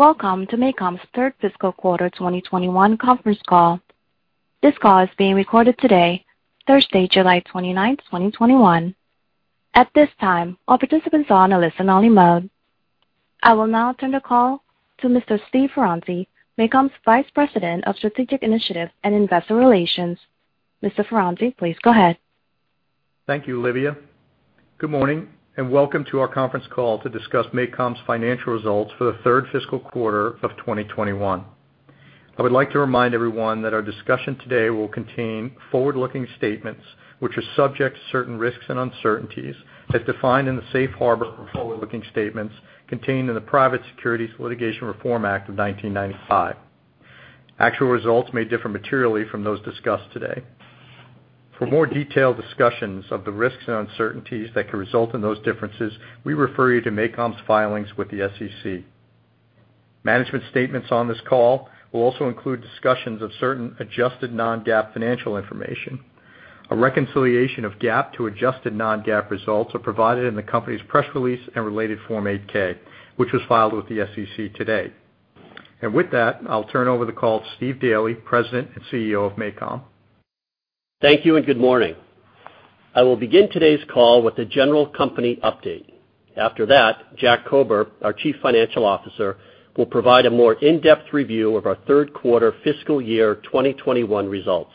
Welcome to MACOM's third fiscal quarter 2021 conference call. This call is being recorded today, Thursday, July 29, 2021. At this time, all participants are on a listen only mode. I will now turn the call to Mr. Steve Ferranti, MACOM's Vice President of Strategic Initiative and Investor Relations. Mr. Ferranti, please go ahead. Thank you, Livia. Good morning, and welcome to our conference call to discuss MACOM's financial results for the third fiscal quarter of 2021. I would like to remind everyone that our discussion today will contain forward-looking statements, which are subject to certain risks and uncertainties as defined in the Safe Harbor for forward-looking statements contained in the Private Securities Litigation Reform Act of 1995. Actual results may differ materially from those discussed today. For more detailed discussions of the risks and uncertainties that could result in those differences, we refer you to MACOM's filings with the SEC. Management statements on this call will also include discussions of certain adjusted non-GAAP financial information. A reconciliation of GAAP to adjusted non-GAAP results are provided in the company's press release and related Form 8-K, which was filed with the SEC today. With that, I'll turn over the call to Steve Daly, President and CEO of MACOM. Thank you and good morning. I will begin today's call with a general company update. After that, Jack Kober, our Chief Financial Officer, will provide a more in-depth review of our third quarter fiscal year 2021 results.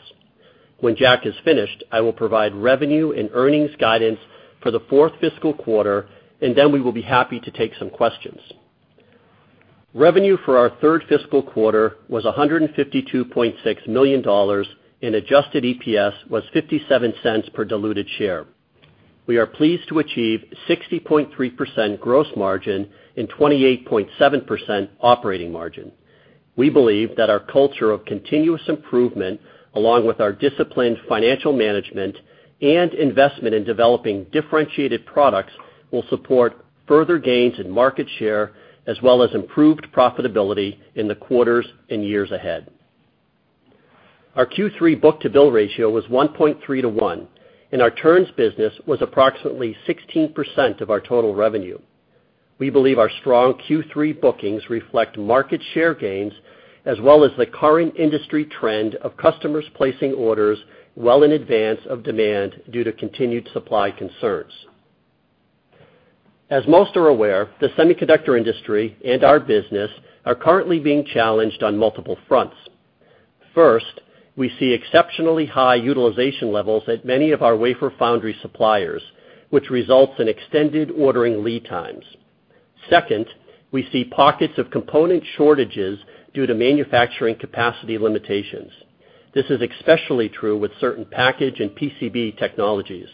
When Jack is finished, I will provide revenue and earnings guidance for the fourth fiscal quarter, and then we will be happy to take some questions. Revenue for our third fiscal quarter was $152.6 million, and adjusted EPS was $0.57 per diluted share. We are pleased to achieve 60.3% gross margin and 28.7% operating margin. We believe that our culture of continuous improvement, along with our disciplined financial management and investment in developing differentiated products, will support further gains in market share as well as improved profitability in the quarters and years ahead. Our Q3 book-to-bill ratio was 1.3:1, and our turns business was approximately 16% of our total revenue. We believe our strong Q3 bookings reflect market share gains, as well as the current industry trend of customers placing orders well in advance of demand due to continued supply concerns. As most are aware, the semiconductor industry and our business are currently being challenged on multiple fronts. First, we see exceptionally high utilization levels at many of our wafer foundry suppliers, which results in extended ordering lead times. Second, we see pockets of component shortages due to manufacturing capacity limitations. This is especially true with certain package and PCB technologies.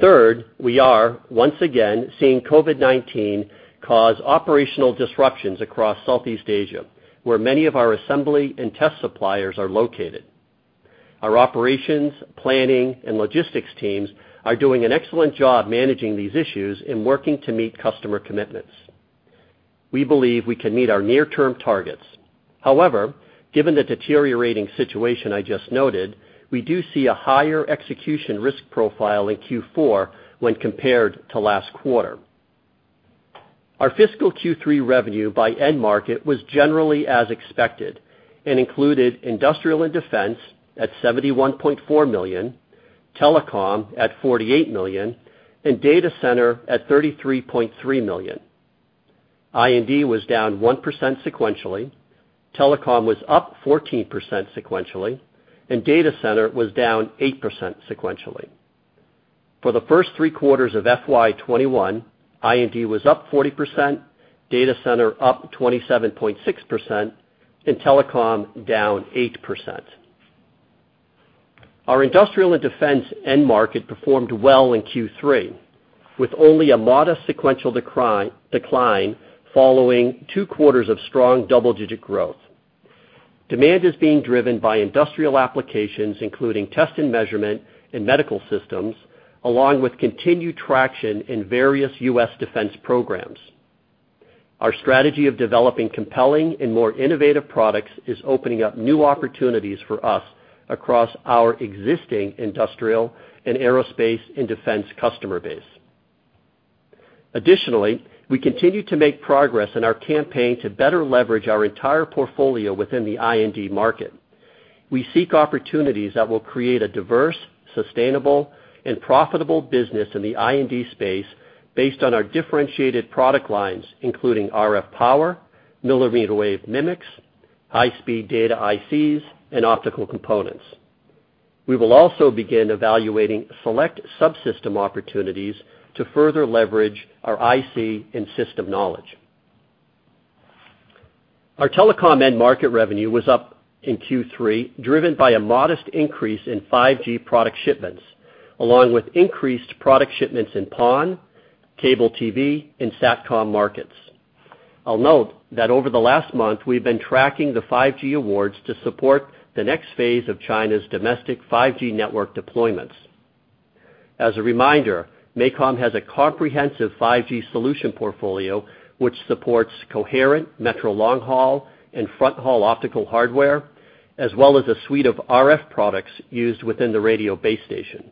Third, we are once again seeing COVID-19 cause operational disruptions across Southeast Asia, where many of our assembly and test suppliers are located. Our operations, planning, and logistics teams are doing an excellent job managing these issues and working to meet customer commitments. We believe we can meet our near-term targets. However, given the deteriorating situation I just noted, we do see a higher execution risk profile in Q4 when compared to last quarter. Our fiscal Q3 revenue by end market was generally as expected and included industrial and defense at $71.4 million, telecom at $48 million, and data center at $33.3 million. I&D was down 1% sequentially, telecom was up 14% sequentially, and data center was down 8% sequentially. For the first three quarters of FY 2021, I&D was up 40%, data center up 27.6%, and telecom down 8%. Our industrial and defense end market performed well in Q3, with only a modest sequential decline following two quarters of strong double-digit growth. Demand is being driven by industrial applications, including test and measurement and medical systems, along with continued traction in various U.S. Defense programs. Our strategy of developing compelling and more innovative products is opening up new opportunities for us across our existing industrial and aerospace and defense customer base. We continue to make progress in our campaign to better leverage our entire portfolio within the I&D market. We seek opportunities that will create a diverse, sustainable, and profitable business in the I&D space based on our differentiated product lines, including RF power, millimeter wave MMICs, high-speed data ICs, and optical components. We will also begin evaluating select subsystem opportunities to further leverage our IC and system knowledge. Our telecom end market revenue was up in Q3, driven by a modest increase in 5G product shipments, along with increased product shipments in PON, cable TV, and SATCOM markets. I'll note that over the last month, we've been tracking the 5G awards to support the next phase of China's domestic 5G network deployments. As a reminder, MACOM has a comprehensive 5G solution portfolio, which supports coherent metro long haul and front haul optical hardware, as well as a suite of RF products used within the radio base station.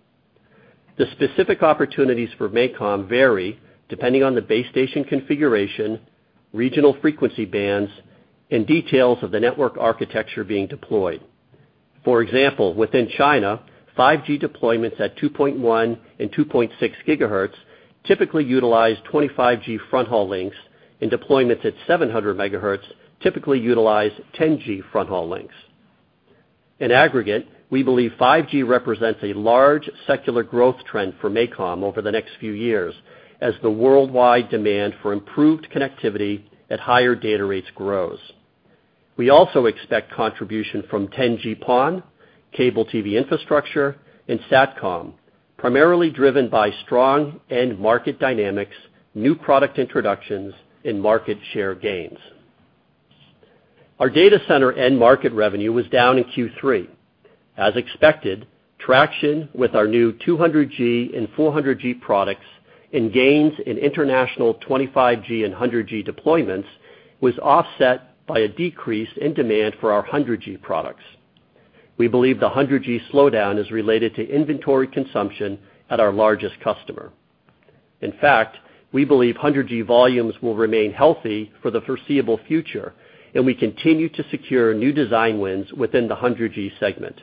The specific opportunities for MACOM vary depending on the base station configuration, regional frequency bands, and details of the network architecture being deployed. For example, within China, 5G deployments at 2.1 GHz and 2.6 GHz typically utilize 25G front haul links, and deployments at 700 MHz typically utilize 10G front haul links. In aggregate, we believe 5G represents a large secular growth trend for MACOM over the next few years as the worldwide demand for improved connectivity at higher data rates grows. We also expect contribution from 10G-PON, cable TV infrastructure, and SATCOM, primarily driven by strong end market dynamics, new product introductions, and market share gains. Our data center end market revenue was down in Q3. As expected, traction with our new 200G and 400G products and gains in international 25G and 100G deployments was offset by a decrease in demand for our 100G products. We believe the 100G slowdown is related to inventory consumption at our largest customer. In fact, we believe 100G volumes will remain healthy for the foreseeable future, and we continue to secure new design wins within the 100G segment.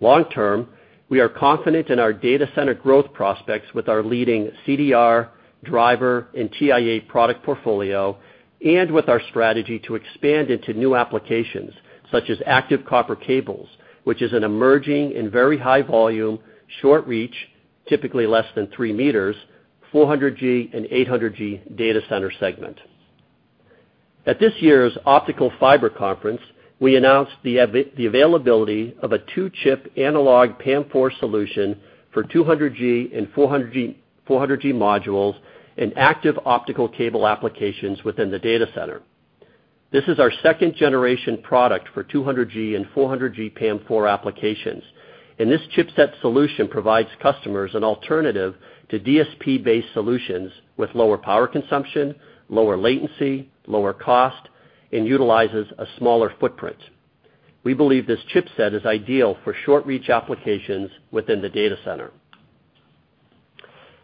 Long term, we are confident in our data center growth prospects with our leading CDR, driver, and TIA product portfolio and with our strategy to expand into new applications such as active copper cables, which is an emerging and very high volume, short reach, typically less than 3 meters, 400G and 800G data center segment. At this year's Optical Fiber Conference, we announced the availability of a two-chip analog PAM4 solution for 200G and 400G modules and active optical cable applications within the data center. This is our 2nd-generation product for 200G and 400G PAM4 applications, and this chipset solution provides customers an alternative to DSP-based solutions with lower power consumption, lower latency, lower cost, and utilizes a smaller footprint. We believe this chipset is ideal for short reach applications within the data center.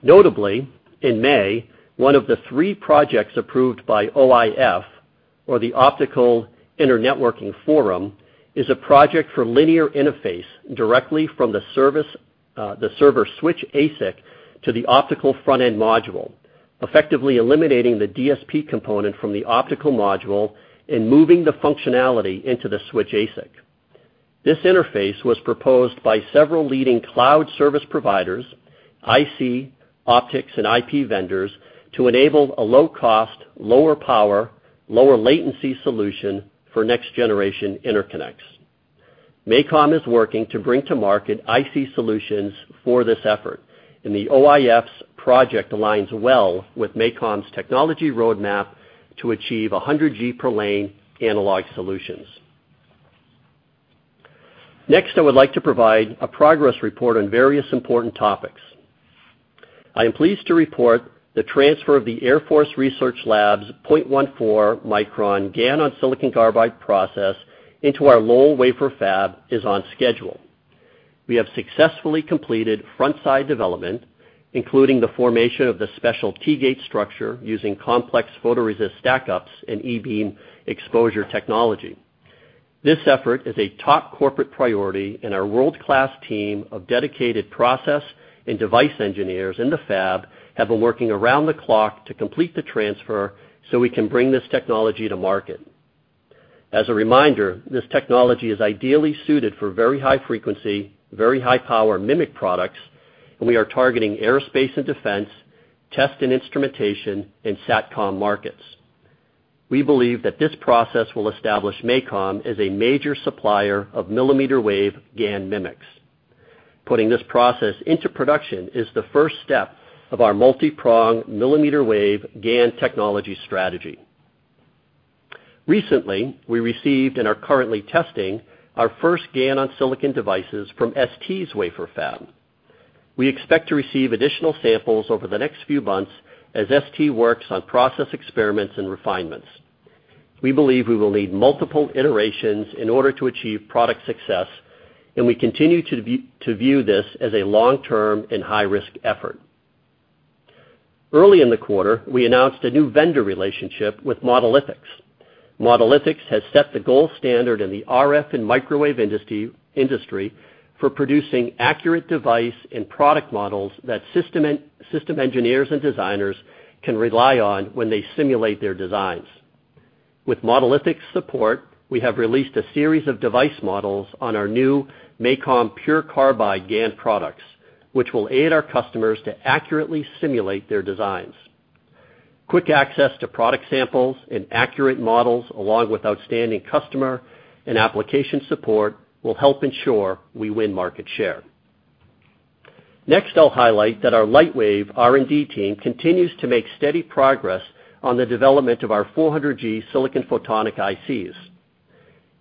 Notably, in May, one of the three projects approved by OIF, or the Optical Internetworking Forum, is a project for linear interface directly from the server switch ASIC to the optical front-end module, effectively eliminating the DSP component from the optical module and moving the functionality into the switch ASIC. This interface was proposed by several leading cloud service providers, IC, optics, and IP vendors to enable a low cost, lower power, lower latency solution for next generation interconnects. MACOM is working to bring to market IC solutions for this effort, and the OIF's project aligns well with MACOM's technology roadmap to achieve 100G per lane analog solutions. I would like to provide a progress report on various important topics. I am pleased to report the transfer of the Air Force Research Laboratory's 0.14 micron GaN on silicon carbide process into our Lowell wafer fab is on schedule. We have successfully completed front side development, including the formation of the special T-gate structure using complex photoresist stack ups and E-beam exposure technology. This effort is a top corporate priority, and our world-class team of dedicated process and device engineers in the fab have been working around the clock to complete the transfer so we can bring this technology to market. As a reminder, this technology is ideally suited for very high frequency, very high power MMIC products, and we are targeting aerospace and defense, test and instrumentation, and SATCOM markets. We believe that this process will establish MACOM as a major supplier of millimeter wave GaN MMICs. Putting this process into production is the first step of our multi-pronged millimeter wave GaN technology strategy. Recently, we received and are currently testing our first GaN on silicon devices from ST's wafer fab. We expect to receive additional samples over the next few months as ST works on process experiments and refinements. We believe we will need multiple iterations in order to achieve product success, and we continue to view this as a long-term and high-risk effort. Early in the quarter, we announced a new vendor relationship with Modelithics. Modelithics has set the gold standard in the RF and microwave industry for producing accurate device and product models that system engineers and designers can rely on when they simulate their designs. With Modelithics' support, we have released a series of device models on our new MACOM PURE CARBIDE GaN products, which will aid our customers to accurately simulate their designs. Quick access to product samples and accurate models, along with outstanding customer and application support, will help ensure we win market share. Next, I'll highlight that our Lightwave R&D team continues to make steady progress on the development of our 400G silicon photonic ICs.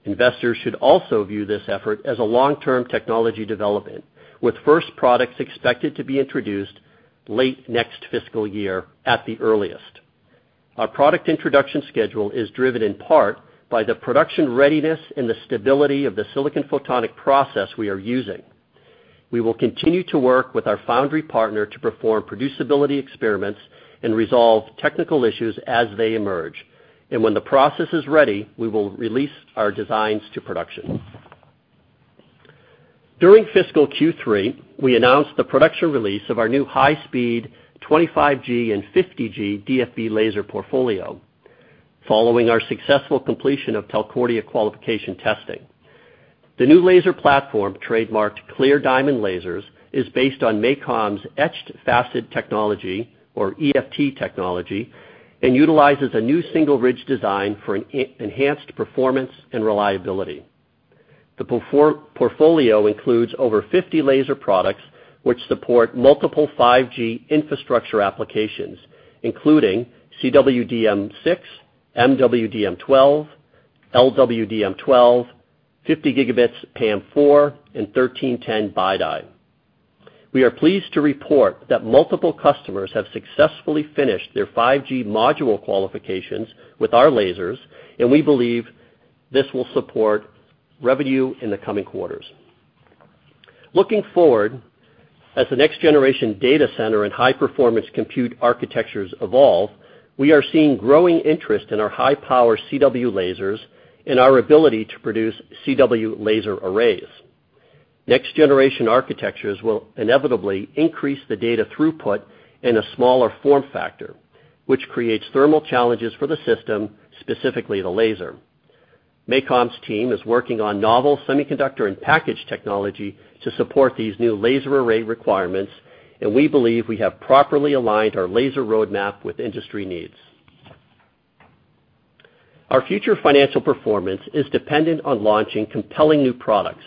Investors should also view this effort as a long-term technology development, with first products expected to be introduced late next fiscal year at the earliest. Our product introduction schedule is driven in part by the production readiness and the stability of the silicon photonic process we are using. We will continue to work with our foundry partner to perform producibility experiments and resolve technical issues as they emerge. When the process is ready, we will release our designs to production. During fiscal Q3, we announced the production release of our new high-speed 25G and 50G DFB laser portfolio, following our successful completion of Telcordia qualification testing. The new laser platform, trademarked CLEAR DIAMOND LASERS, is based on MACOM's etched facet technology or EFT technology and utilizes a new single ridge design for enhanced performance and reliability. The portfolio includes over 50 laser products, which support multiple 5G infrastructure applications, including CWDM6, MWDM12, LWDM12, 50 Gb PAM4, and 1310 BiDi. We are pleased to report that multiple customers have successfully finished their 5G module qualifications with our lasers, and we believe this will support revenue in the coming quarters. Looking forward, as the next-generation data center and high-performance compute architectures evolve, we are seeing growing interest in our high-power CW lasers and our ability to produce CW laser arrays. Next-generation architectures will inevitably increase the data throughput in a smaller form factor, which creates thermal challenges for the system, specifically the laser. MACOM's team is working on novel semiconductor and package technology to support these new laser array requirements, and we believe we have properly aligned our laser roadmap with industry needs. Our future financial performance is dependent on launching compelling new products.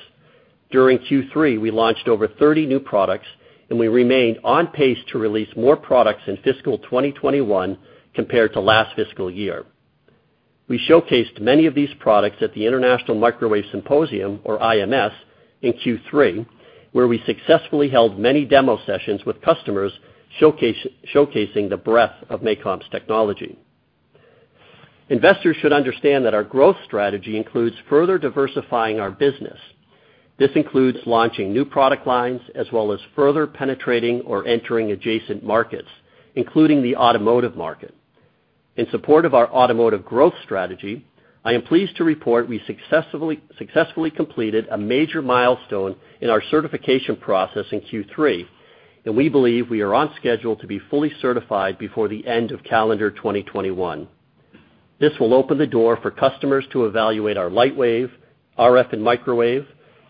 During Q3, we launched over 30 new products, and we remain on pace to release more products in fiscal 2021 compared to last fiscal year. We showcased many of these products at the International Microwave Symposium, or IMS, in Q3, where we successfully held many demo sessions with customers showcasing the breadth of MACOM's technology. Investors should understand that our growth strategy includes further diversifying our business. This includes launching new product lines as well as further penetrating or entering adjacent markets, including the automotive market. In support of our automotive growth strategy, I am pleased to report we successfully completed a major milestone in our certification process in Q3, and we believe we are on schedule to be fully certified before the end of calendar 2021. This will open the door for customers to evaluate our Lightwave, RF and microwave,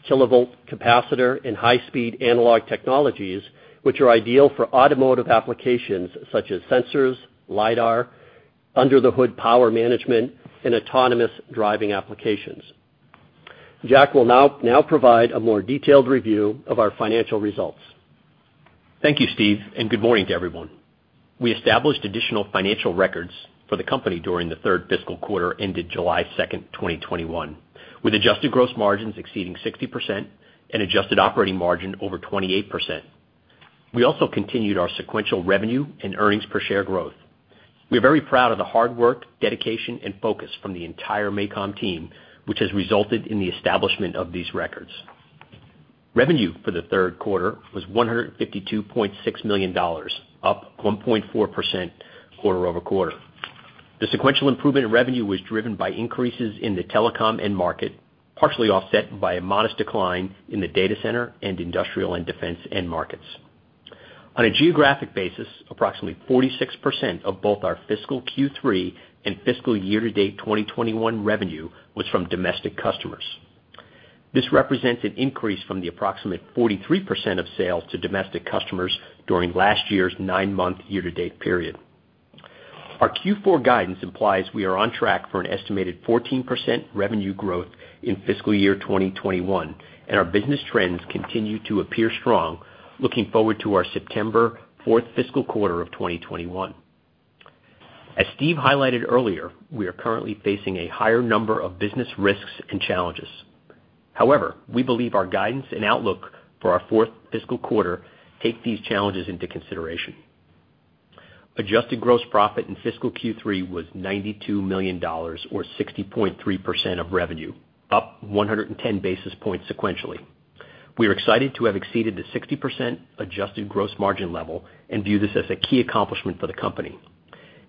kilovolt capacitor, and high-speed analog technologies, which are ideal for automotive applications such as sensors, LiDAR, under-the-hood power management, and autonomous driving applications. Jack will now provide a more detailed review of our financial results. Thank you, Steve, and good morning to everyone. We established additional financial records for the company during the third fiscal quarter ended July 2nd, 2021. With adjusted gross margins exceeding 60% and adjusted operating margin over 28%. We also continued our sequential revenue and earnings per share growth. We are very proud of the hard work, dedication, and focus from the entire MACOM team, which has resulted in the establishment of these records. Revenue for the third quarter was $152.6 million, up 1.4% quarter-over-quarter. The sequential improvement in revenue was driven by increases in the telecom end market, partially offset by a modest decline in the data center and industrial and defense end markets. On a geographic basis, approximately 46% of both our fiscal Q3 and fiscal year-to-date 2021 revenue was from domestic customers. This represents an increase from the approximate 43% of sales to domestic customers during last year's nine-month year-to-date period. Our Q4 guidance implies we are on track for an estimated 14% revenue growth in fiscal year 2021. Our business trends continue to appear strong looking forward to our September 4th fiscal quarter of 2021. As Steve highlighted earlier, we are currently facing a higher number of business risks and challenges. However, we believe our guidance and outlook for our fourth fiscal quarter take these challenges into consideration. Adjusted gross profit in fiscal Q3 was $92 million, or 60.3% of revenue, up 110 basis points sequentially. We are excited to have exceeded the 60% adjusted gross margin level and view this as a key accomplishment for the company.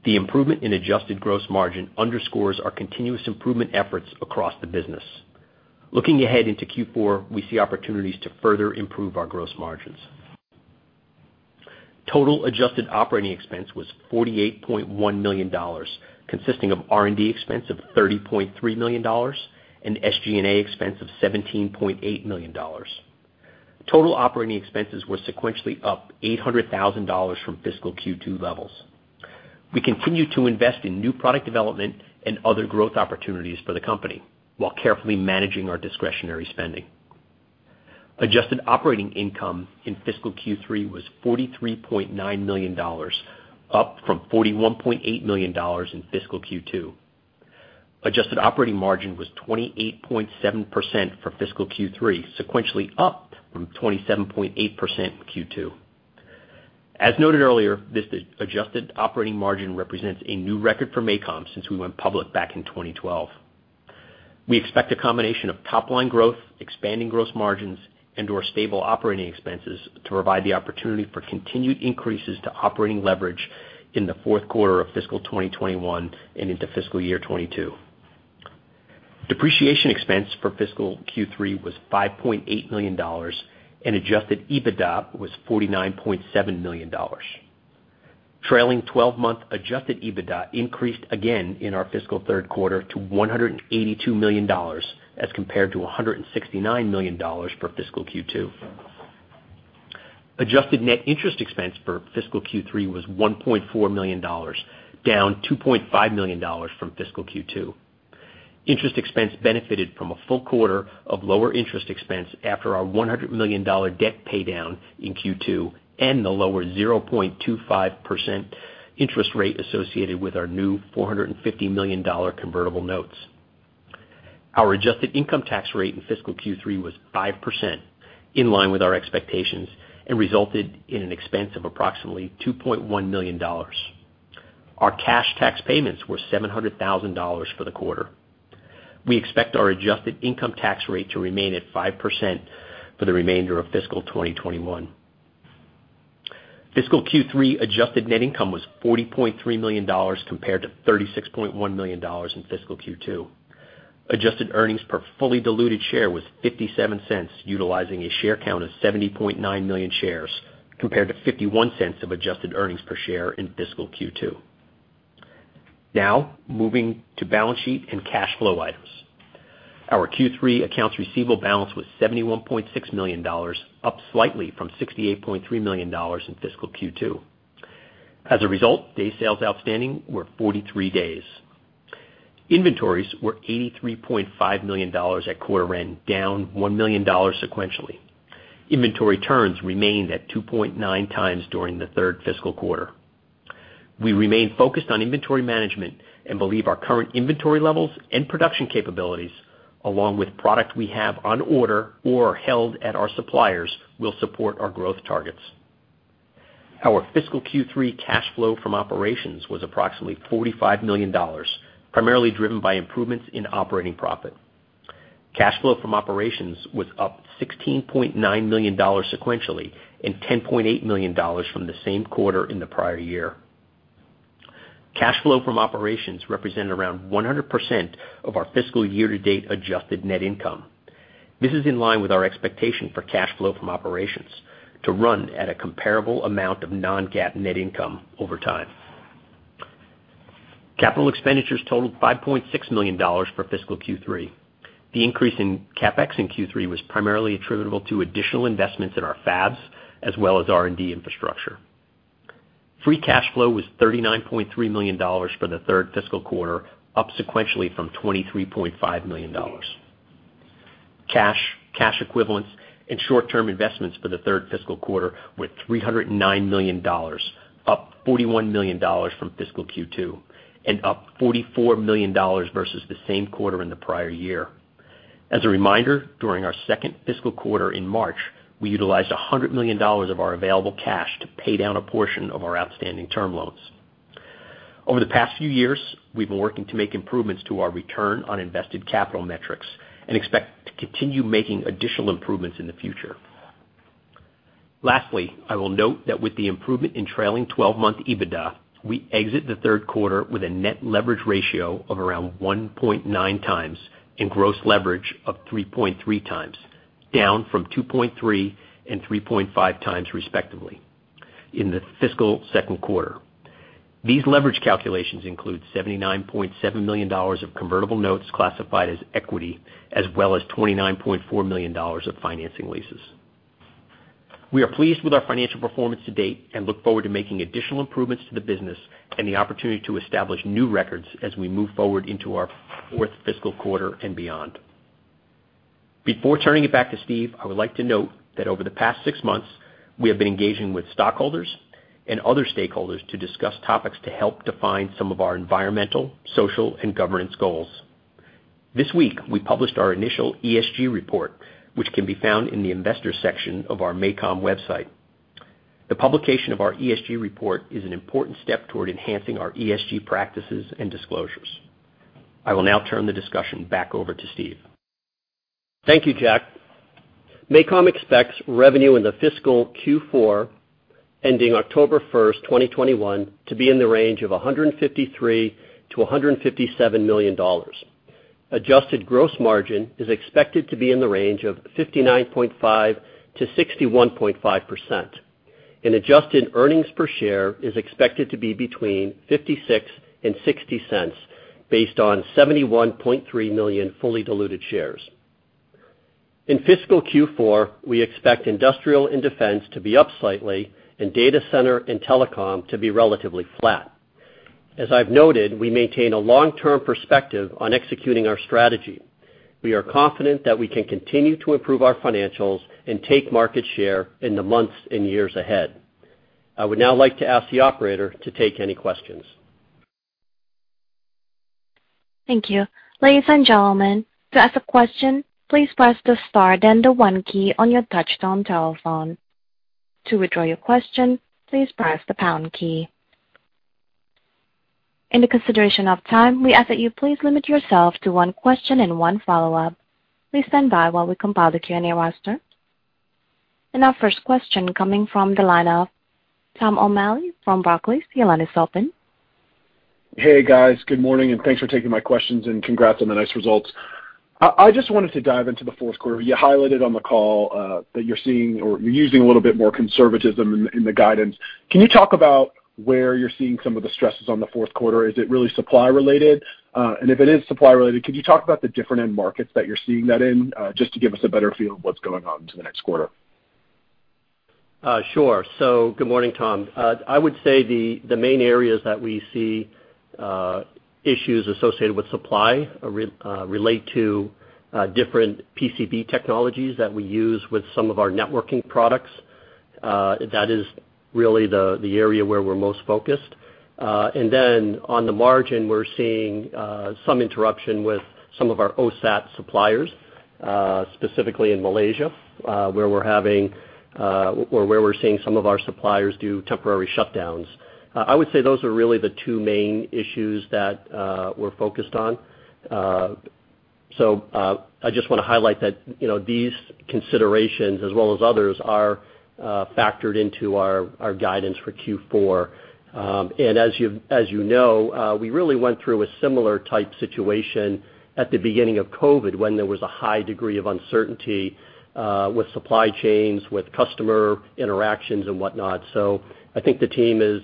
The improvement in adjusted gross margin underscores our continuous improvement efforts across the business. Looking ahead into Q4, we see opportunities to further improve our gross margins. Total adjusted operating expense was $48.1 million, consisting of R&D expense of $30.3 million and SG&A expense of $17.8 million. Total operating expenses were sequentially up $800,000 from fiscal Q2 levels. We continue to invest in new product development and other growth opportunities for the company while carefully managing our discretionary spending. Adjusted operating income in fiscal Q3 was $43.9 million, up from $41.8 million in fiscal Q2. Adjusted operating margin was 28.7% for fiscal Q3, sequentially up from 27.8% in Q2. As noted earlier, this adjusted operating margin represents a new record for MACOM since we went public back in 2012. We expect a combination of top-line growth, expanding gross margins, and/or stable operating expenses to provide the opportunity for continued increases to operating leverage in the fourth quarter of fiscal 2021 and into fiscal year 2022. Depreciation expense for fiscal Q3 was $5.8 million, and adjusted EBITDA was $49.7 million. Trailing 12-month adjusted EBITDA increased again in our fiscal third quarter to $182 million as compared to $169 million for fiscal Q2. Adjusted net interest expense for fiscal Q3 was $1.4 million, down $2.5 million from fiscal Q2. Interest expense benefited from a full quarter of lower interest expense after our $100 million debt paydown in Q2 and the lower 0.25% interest rate associated with our new $450 million convertible notes. Our adjusted income tax rate in fiscal Q3 was 5%, in line with our expectations, and resulted in an expense of approximately $2.1 million. Our cash tax payments were $700,000 for the quarter. We expect our adjusted income tax rate to remain at 5% for the remainder of fiscal 2021. Fiscal Q3 adjusted net income was $40.3 million, compared to $36.1 million in fiscal Q2. Adjusted earnings per fully diluted share was $0.57, utilizing a share count of 70.9 million shares, compared to $0.51 of adjusted earnings per share in fiscal Q2. Moving to balance sheet and cash flow items. Our Q3 accounts receivable balance was $71.6 million, up slightly from $68.3 million in fiscal Q2. Day sales outstanding were 43 days. Inventories were $83.5 million at quarter end, down $1 million sequentially. Inventory turns remained at 2.9x during the third fiscal quarter. We remain focused on inventory management and believe our current inventory levels and production capabilities, along with product we have on order or held at our suppliers, will support our growth targets. Our fiscal Q3 cash flow from operations was approximately $45 million, primarily driven by improvements in operating profit. Cash flow from operations was up $16.9 million sequentially and $10.8 million from the same quarter in the prior year. Cash flow from operations represented around 100% of our fiscal year-to-date adjusted net income. This is in line with our expectation for cash flow from operations to run at a comparable amount of non-GAAP net income over time. Capital expenditures totaled $5.6 million for fiscal Q3. The increase in CapEx in Q3 was primarily attributable to additional investments in our fabs as well as R&D infrastructure. Free cash flow was $39.3 million for the third fiscal quarter, up sequentially from $23.5 million. Cash, cash equivalents, and short-term investments for the third fiscal quarter were $309 million, up $41 million from fiscal Q2 and up $44 million versus the same quarter in the prior year. As a reminder, during our second fiscal quarter in March, we utilized $100 million of our available cash to pay down a portion of our outstanding term loans. Over the past few years, we've been working to make improvements to our return on invested capital metrics and expect to continue making additional improvements in the future. Lastly, I will note that with the improvement in trailing 12-month EBITDA, we exit the third quarter with a net leverage ratio of around 1.9x and gross leverage of 3.3x, down from 2.3x and 3.5x respectively in the fiscal second quarter. These leverage calculations include $79.7 million of convertible notes classified as equity, as well as $29.4 million of financing leases. We are pleased with our financial performance to date and look forward to making additional improvements to the business and the opportunity to establish new records as we move forward into our fourth fiscal quarter and beyond. Before turning it back to Steve, I would like to note that over the past six months, we have been engaging with stockholders and other stakeholders to discuss topics to help define some of our environmental, social, and governance goals. This week, we published our initial ESG report, which can be found in the Investors section of our MACOM website. The publication of our ESG report is an important step toward enhancing our ESG practices and disclosures. I will now turn the discussion back over to Steve. Thank you, Jack. MACOM expects revenue in the fiscal Q4 ending October 1st, 2021, to be in the range of $153 million-$157 million. Adjusted gross margin is expected to be in the range of 59.5%-61.5%, and adjusted earnings per share is expected to be between $0.56 and $0.60 based on 71.3 million fully diluted shares. In fiscal Q4, we expect Industrial and Defense to be up slightly and Data Center and Telecom to be relatively flat. As I've noted, we maintain a long-term perspective on executing our strategy. We are confident that we can continue to improve our financials and take market share in the months and years ahead. I would now like to ask the operator to take any questions. Thank you. Ladies and gentlemen, to ask a question, please press the star then the one key on your touch-tone telephone. To withdraw your question, please press the pound key. In the consideration of time, we ask that you please limit yourself to one question and one follow-up. Please stand by while we compile the Q&A roster. Our first question coming from the line of Tom O'Malley from Barclays, your line is open. Hey, guys. Good morning. Thanks for taking my questions, and congrats on the nice results. I just wanted to dive into the fourth quarter. You highlighted on the call that you're seeing, or you're using a little bit more conservatism in the guidance. Can you talk about where you're seeing some of the stresses on the fourth quarter? Is it really supply related? If it is supply related, could you talk about the different end markets that you're seeing that in, just to give us a better feel of what's going on into the next quarter? Sure. Good morning, Tom. I would say the main areas that we see issues associated with supply relate to different PCB technologies that we use with some of our networking products. That is really the area where we're most focused. On the margin, we're seeing some interruption with some of our OSAT suppliers, specifically in Malaysia, where we're seeing some of our suppliers do temporary shutdowns. I would say those are really the two main issues that we're focused on. I just want to highlight that these considerations, as well as others, are factored into our guidance for Q4. As you know, we really went through a similar type situation at the beginning of COVID, when there was a high degree of uncertainty with supply chains, with customer interactions and whatnot. I think the team is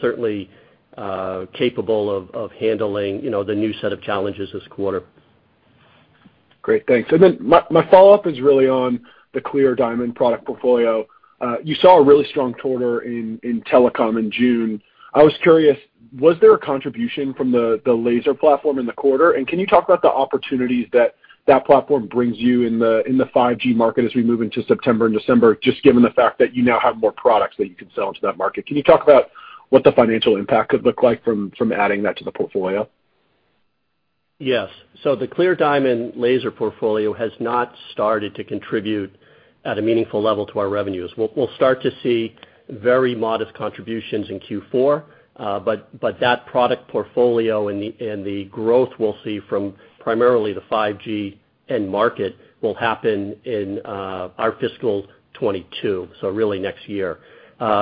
certainly capable of handling the new set of challenges this quarter. Great. Thanks. My follow-up is really on the CLEAR DIAMOND product portfolio. You saw a really strong quarter in telecom in June. I was curious, was there a contribution from the laser platform in the quarter? Can you talk about the opportunities that that platform brings you in the 5G market as we move into September and December, just given the fact that you now have more products that you can sell into that market? Can you talk about what the financial impact could look like from adding that to the portfolio? The CLEAR DIAMOND laser portfolio has not started to contribute at a meaningful level to our revenues. We'll start to see very modest contributions in Q4. That product portfolio and the growth we'll see from primarily the 5G end market will happen in our fiscal 2022, so really next year.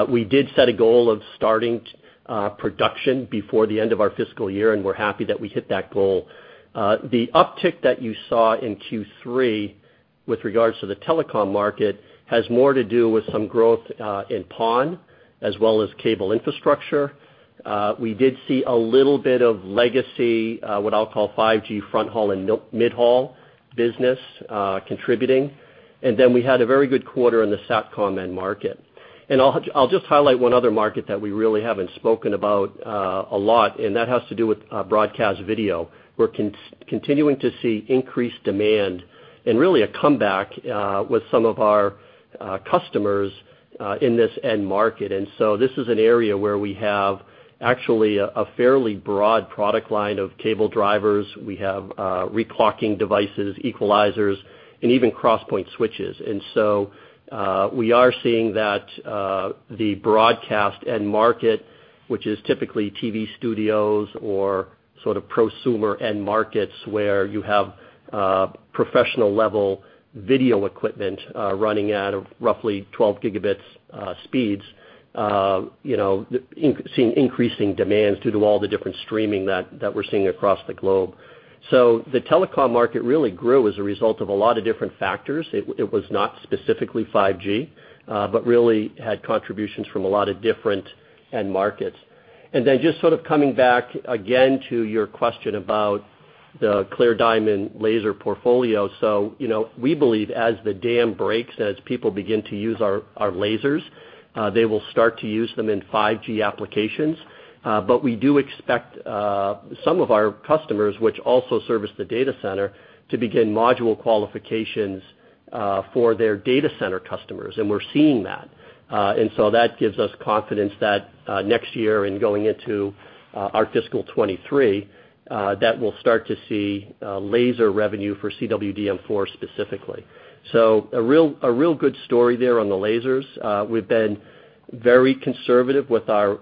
We did set a goal of starting production before the end of our fiscal year, and we're happy that we hit that goal. The uptick that you saw in Q3 with regards to the telecom market has more to do with some growth in PON as well as cable infrastructure. We did see a little bit of legacy, what I'll call 5G front haul and mid-haul business contributing. We had a very good quarter in the SATCOM end market. I'll just highlight one other market that we really haven't spoken about a lot, and that has to do with broadcast video. We're continuing to see increased demand and really a comeback with some of our customers in this end market. This is an area where we have actually a fairly broad product line of cable drivers. We have re-clocking devices, equalizers, and even cross-point switches. We are seeing that the broadcast end market, which is typically TV studios or sort of prosumer end markets, where you have professional-level video equipment running at roughly 12 Gb speeds, seeing increasing demands due to all the different streaming that we're seeing across the globe. The telecom market really grew as a result of a lot of different factors. It was not specifically 5G, but really had contributions from a lot of different end markets. Just sort of coming back again to your question about the CLEAR DIAMOND laser portfolio. So we believe as the dam breaks, as people begin to use our lasers, they will start to use them in 5G applications. But we do expect some of our customers, which also service the data center, to begin module qualifications for their data center customers, and we're seeing that. So that gives us confidence that next year and going into our fiscal 2023, that we'll start to see laser revenue for CWDM4 specifically. So a real good story there on the lasers. We've been very conservative with our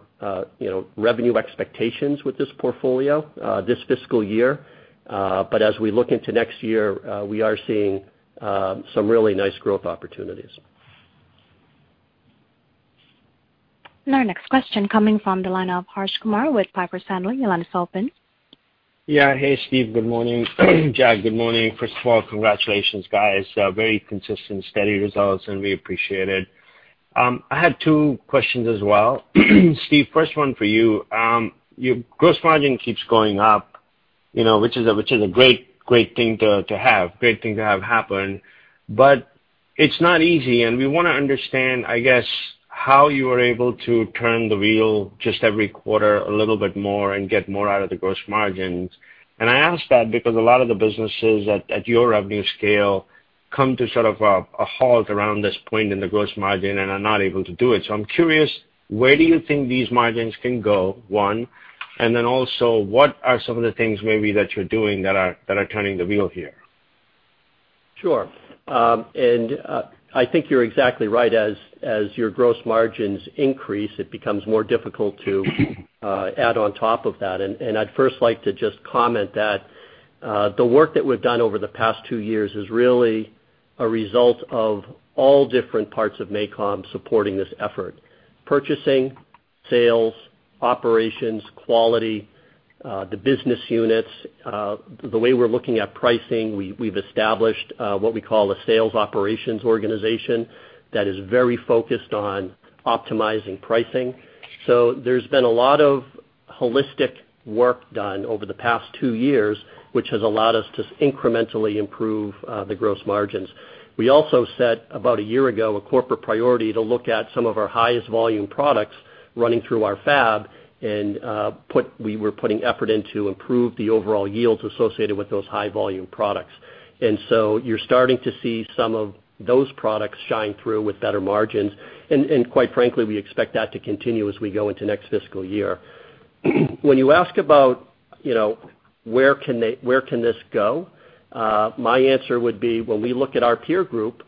revenue expectations with this portfolio this fiscal year. But as we look into next year, we are seeing some really nice growth opportunities. Our next question coming from the line of Harsh Kumar with Piper Sandler. Your line is open. Hey, Steve. Good morning. Jack, good morning. First of all, congratulations, guys. Very consistent, steady results, and we appreciate it. I had two questions as well. Steve, first one for you. Your gross margin keeps going up, which is a great thing to have happen, but it's not easy, and we want to understand, I guess, how you are able to turn the wheel just every quarter a little bit more and get more out of the gross margins. I ask that because a lot of the businesses at your revenue scale come to sort of a halt around this point in the gross margin and are not able to do it. I'm curious, where do you think these margins can go, one, and then also, what are some of the things maybe that you're doing that are turning the wheel here? Sure. I think you're exactly right. As your gross margins increase, it becomes more difficult to add on top of that. I'd first like to just comment that the work that we've done over the past two years is really a result of all different parts of MACOM supporting this effort, purchasing, sales, operations, quality, the business units, the way we're looking at pricing. We've established what we call a sales operations organization that is very focused on optimizing pricing. There's been a lot of holistic work done over the past two years, which has allowed us to incrementally improve the gross margins. We also set about a year ago, a corporate priority to look at some of our highest volume products running through our fab, and we were putting effort in to improve the overall yields associated with those high volume products. You're starting to see some of those products shine through with better margins. Quite frankly, we expect that to continue as we go into next fiscal year. When you ask about where can this go? My answer would be, when we look at our peer group,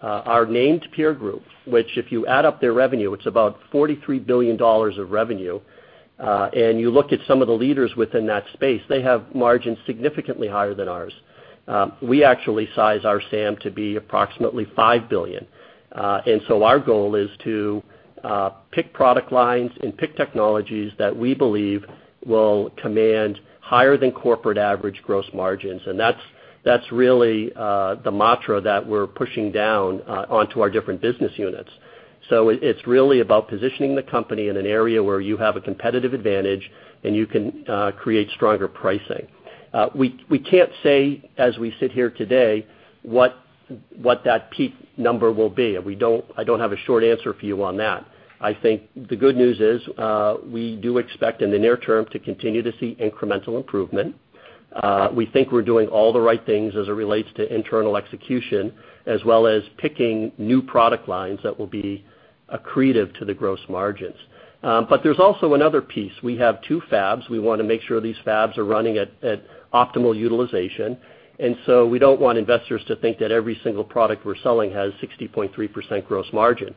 our named peer group, which if you add up their revenue, it's about $43 billion of revenue. You look at some of the leaders within that space, they have margins significantly higher than ours. We actually size our SAM to be approximately $5 billion. Our goal is to pick product lines and pick technologies that we believe will command higher than corporate average gross margins. That's really the mantra that we're pushing down onto our different business units. It's really about positioning the company in an area where you have a competitive advantage and you can create stronger pricing. We can't say as we sit here today what that peak number will be. I don't have a short answer for you on that. I think the good news is, we do expect in the near term to continue to see incremental improvement. We think we're doing all the right things as it relates to internal execution, as well as picking new product lines that will be accretive to the gross margins. There's also another piece. We have two fabs. We want to make sure these fabs are running at optimal utilization. We don't want investors to think that every single product we're selling has 60.3% gross margin.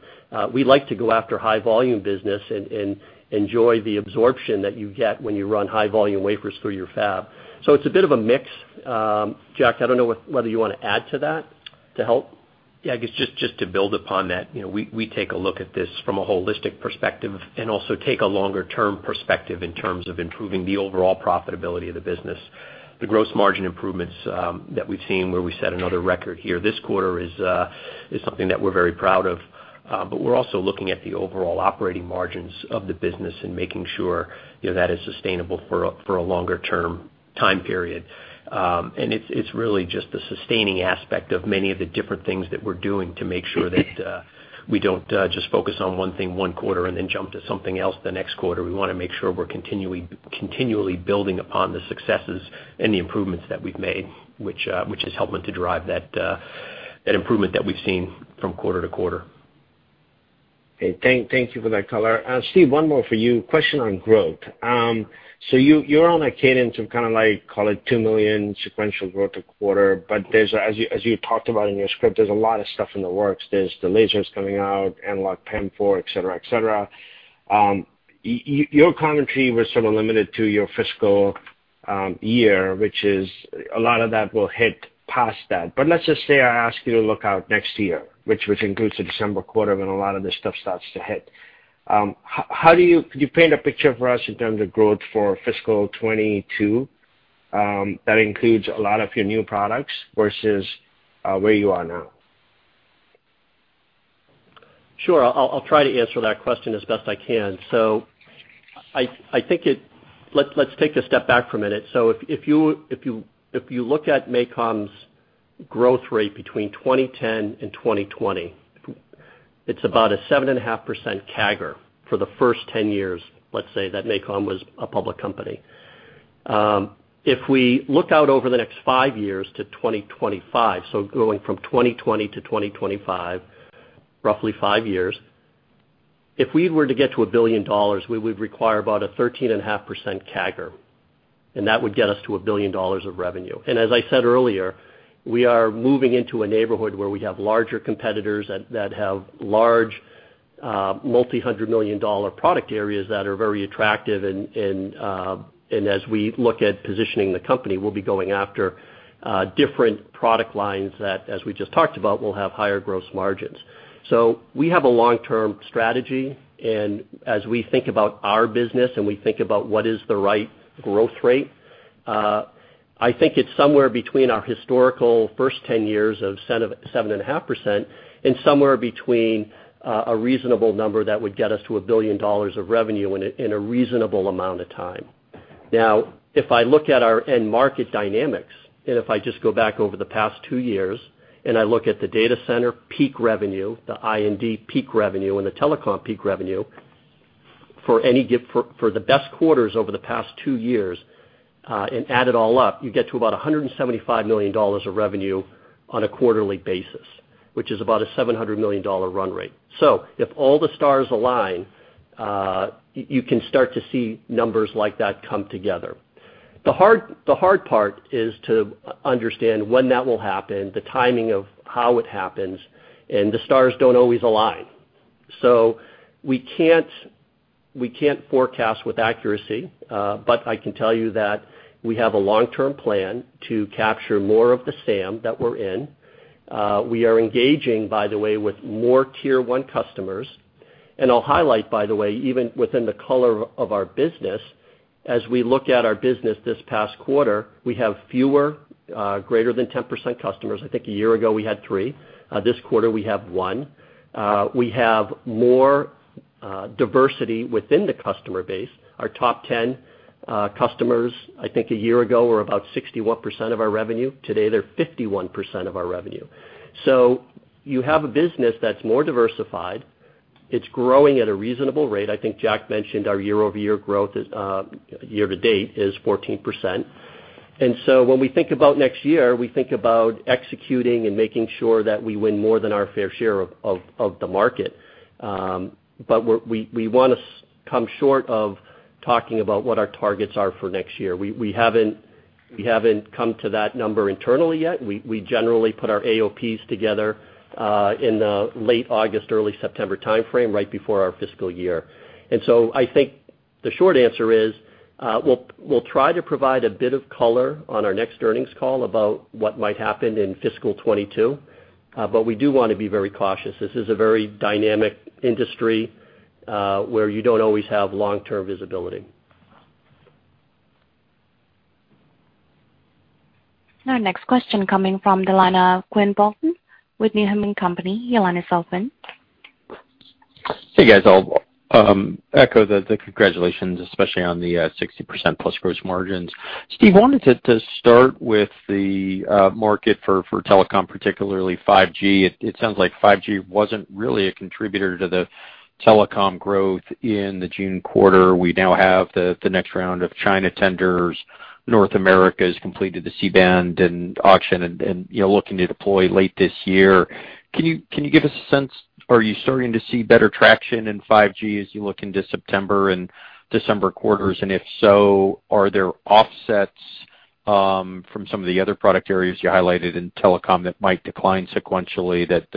We like to go after high volume business and enjoy the absorption that you get when you run high volume wafers through your fab. It's a bit of a mix. Jack, I don't know whether you want to add to that to help. I guess just to build upon that. We take a look at this from a holistic perspective and also take a longer-term perspective in terms of improving the overall profitability of the business. The gross margin improvements that we've seen, where we set another record here this quarter is something that we're very proud of. We're also looking at the overall operating margins of the business and making sure that is sustainable for a longer term time period. It's really just the sustaining aspect of many of the different things that we're doing to make sure that we don't just focus on one thing one quarter and then jump to something else the next quarter. We want to make sure we're continually building upon the successes and the improvements that we've made, which is helping to drive that improvement that we've seen from quarter to quarter. Okay. Thank you for that color. Steve, one more for you. Question on growth. You're on a cadence of kind of like, call it $2 million sequential growth a quarter. As you talked about in your script, there's a lot of stuff in the works. There's the lasers coming out, analog PAM4, et cetera. Your commentary was sort of limited to your fiscal year, which is a lot of that will hit past that. Let's just say I ask you to look out next year, which includes the December quarter when a lot of this stuff starts to hit. Could you paint a picture for us in terms of growth for fiscal 2022 that includes a lot of your new products versus where you are now? Sure. I'll try to answer that question as best I can. I think let's take a step back for a minute. If you look at MACOM's growth rate between 2010 and 2020, it's about a 7.5% CAGR for the first 10 years, let's say, that MACOM was a public company. If we look out over the next five years to 2025, going from 2020 to 2025, roughly five years, if we were to get to $1 billion, we would require about a 13.5% CAGR, and that would get us to $1 billion of revenue. As I said earlier, we are moving into a neighborhood where we have larger competitors that have large multi-hundred million dollar product areas that are very attractive, and as we look at positioning the company, we'll be going after different product lines that, as we just talked about, will have higher gross margins. So we have a long-term strategy, and as we think about our business and we think about what is the right growth rate, I think it's somewhere between our historical first 10 years of 7.5% and somewhere between a reasonable number that would get us to $1 billion of revenue in a reasonable amount of time. If I look at our end market dynamics, if I just go back over the past two years and I look at the data center peak revenue, the I&D peak revenue, and the telecom peak revenue. For the best quarters over the past two years, and add it all up, you get to about $175 million of revenue on a quarterly basis, which is about a $700 million run rate. If all the stars align, you can start to see numbers like that come together. The hard part is to understand when that will happen, the timing of how it happens, and the stars don't always align. We can't forecast with accuracy, but I can tell you that we have a long-term plan to capture more of the SAM that we're in. We are engaging, by the way, with more tier 1 customers. I'll highlight, by the way, even within the color of our business, as we look at our business this past quarter, we have fewer greater than 10% customers. I think a year ago we had three. This quarter we have one. We have more diversity within the customer base. Our top 10 customers, I think a year ago, were about 61% of our revenue. Today, they're 51% of our revenue. You have a business that's more diversified. It's growing at a reasonable rate. I think Jack mentioned our year-to-date is 14%. When we think about next year, we think about executing and making sure that we win more than our fair share of the market. We want to come short of talking about what our targets are for next year. We haven't come to that number internally yet. We generally put our AOPs together in the late August, early September timeframe, right before our fiscal year. I think the short answer is, we'll try to provide a bit of color on our next earnings call about what might happen in fiscal 2022. We do want to be very cautious. This is a very dynamic industry, where you don't always have long-term visibility. Our next question coming from Quinn Bolton with Needham & Company. Quinn Bolton. Hey, guys. I'll echo the congratulations, especially on the 60%+ gross margins. Steve, wanted to start with the market for telecom, particularly 5G. It sounds like 5G wasn't really a contributor to the telecom growth in the June quarter. We now have the next round of China tenders. North America has completed the C-band and auction and looking to deploy late this year. Can you give us a sense, are you starting to see better traction in 5G as you look into September and December quarters? If so, are there offsets from some of the other product areas you highlighted in telecom that might decline sequentially that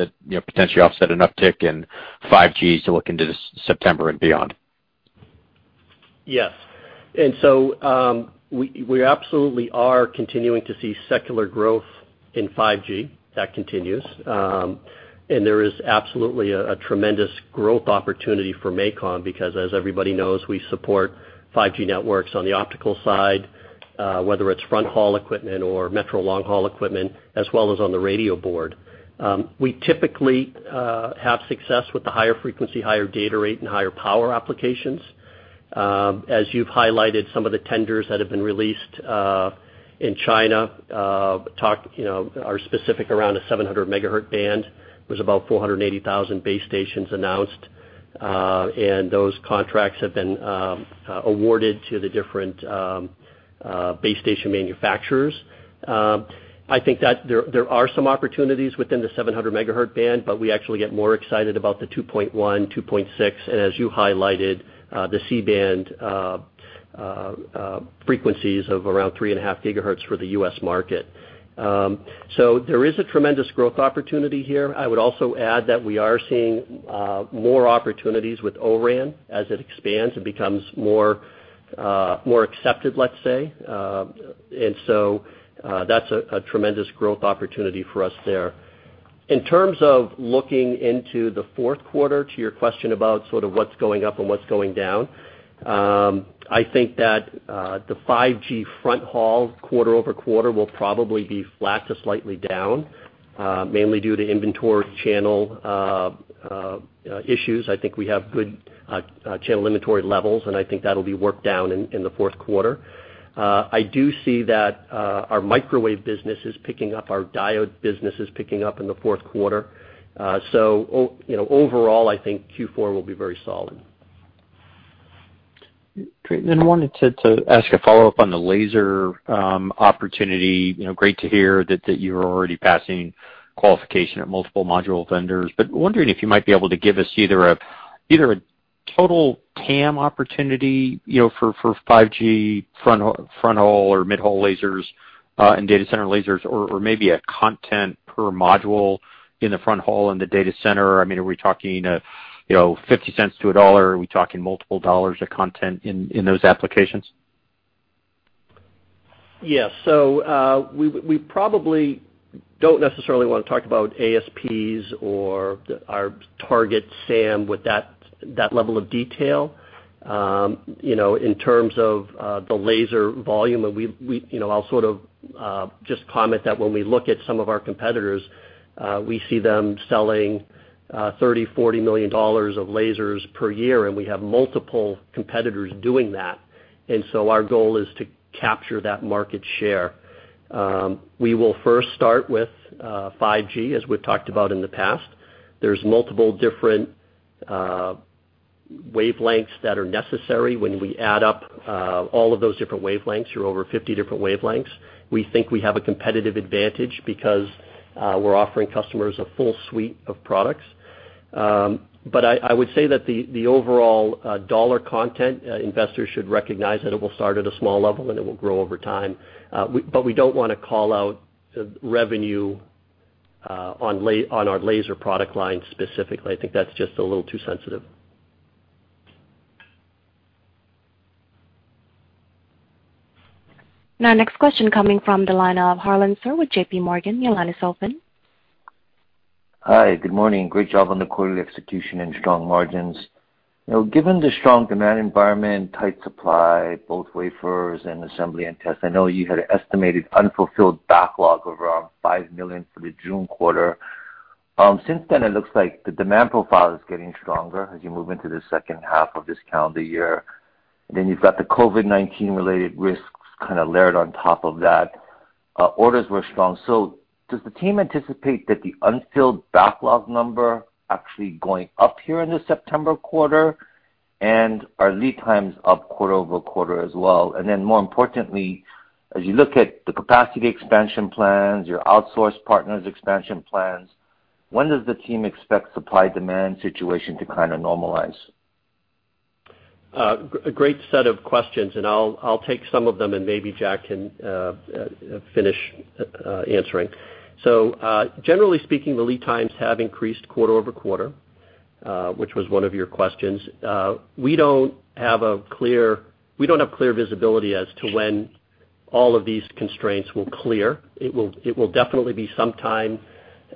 potentially offset an uptick in 5G as you look into September and beyond? Yes. We absolutely are continuing to see secular growth in 5G. That continues. There is absolutely a tremendous growth opportunity for MACOM because, as everybody knows, we support 5G networks on the optical side, whether it's front haul equipment or metro long haul equipment, as well as on the radio board. We typically have success with the higher frequency, higher data rate, and higher power applications. As you've highlighted, some of the tenders that have been released in China are specific around a 700 MHz band. There's about 480,000 base stations announced, and those contracts have been awarded to the different base station manufacturers. I think that there are some opportunities within the 700 MHz band, but we actually get more excited about the 2.1, 2.6, and as you highlighted, the C-band frequencies of around 3.5 GHz for the U.S. market. There is a tremendous growth opportunity here. I would also add that we are seeing more opportunities with ORAN as it expands and becomes more accepted, let's say. That's a tremendous growth opportunity for us there. In terms of looking into the fourth quarter, to your question about sort of what's going up and what's going down, I think that the 5G front haul quarter-over-quarter will probably be flat to slightly down, mainly due to inventory channel issues. I think we have good channel inventory levels, and I think that'll be worked down in the fourth quarter. I do see that our microwave business is picking up, our diode business is picking up in the fourth quarter. Overall, I think Q4 will be very solid. Great. I wanted to ask a follow-up on the laser opportunity. Great to hear that you're already passing qualification at multiple module vendors, but wondering if you might be able to give us either a total TAM opportunity for 5G front haul or mid-haul lasers and data center lasers or maybe a content per module in the front haul and the data center. Are we talking $0.50-$1? Are we talking multiple dollars of content in those applications? Yeah. We probably don't necessarily want to talk about ASPs or our target SAM with that level of detail. In terms of the laser volume, I'll sort of just comment that when we look at some of our competitors, we see them selling $30 million-$40 million of lasers per year, and we have multiple competitors doing that. Our goal is to capture that market share. We will first start with 5G, as we've talked about in the past. There's multiple different wavelengths that are necessary. When we add up all of those different wavelengths, they're over 50 different wavelengths. We think we have a competitive advantage because we're offering customers a full suite of products. I would say that the overall dollar content, investors should recognize that it will start at a small level and it will grow over time. We don't want to call out revenue on our laser product line specifically. I think that's just a little too sensitive. Next question coming from the line of Harlan Sur with JPMorgan. Your line is open. Hi, good morning. Great job on the quarterly execution and strong margins. Given the strong demand environment, tight supply, both wafers and assembly and test, I know you had estimated unfulfilled backlog of around $5 million for the June quarter. Since then, it looks like the demand profile is getting stronger as you move into the second half of this calendar year. You've got the COVID-19-related risks kind of layered on top of that. Orders were strong. Does the team anticipate that the unfilled backlog number actually going up here in the September quarter? Are lead times up quarter-over-quarter as well? More importantly, as you look at the capacity expansion plans, your outsource partners expansion plans, when does the team expect supply-demand situation to normalize? A great set of questions, and I'll take some of them and maybe Jack can finish answering. Generally speaking, the lead times have increased quarter-over-quarter, which was one of your questions. We don't have clear visibility as to when all of these constraints will clear. It will definitely be sometime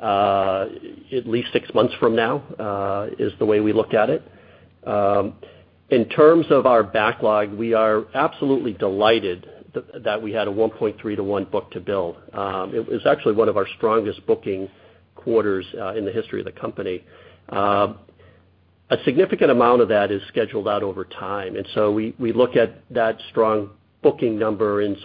at least six months from now, is the way we look at it. In terms of our backlog, we are absolutely delighted that we had a 1.3:1 book-to-bill. It was actually one of our strongest booking quarters in the history of the company. A significant amount of that is scheduled out over time, and so we look at that strong booking number and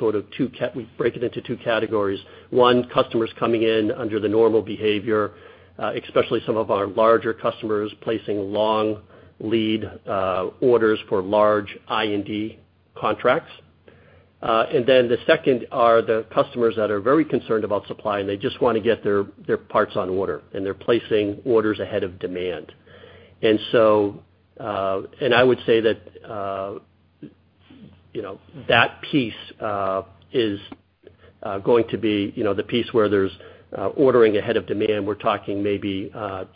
we break it into two categories. One, customers coming in under the normal behavior, especially some of our larger customers placing long lead orders for large I&D contracts. The second are the customers that are very concerned about supply, and they just want to get their parts on order, and they're placing orders ahead of demand. I would say that piece is going to be the piece where there's ordering ahead of demand. We're talking maybe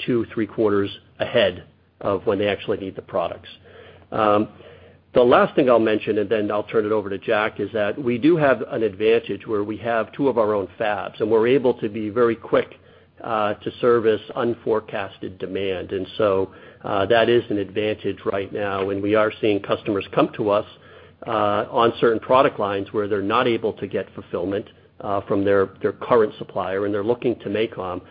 two, three quarters ahead of when they actually need the products. The last thing I'll mention, then I'll turn it over to Jack, is that we do have an advantage where we have two of our own fabs, and we're able to be very quick to service unforecasted demand. That is an advantage right now, and we are seeing customers come to us on certain product lines where they're not able to get fulfillment from their current supplier, and they're looking to MACOM.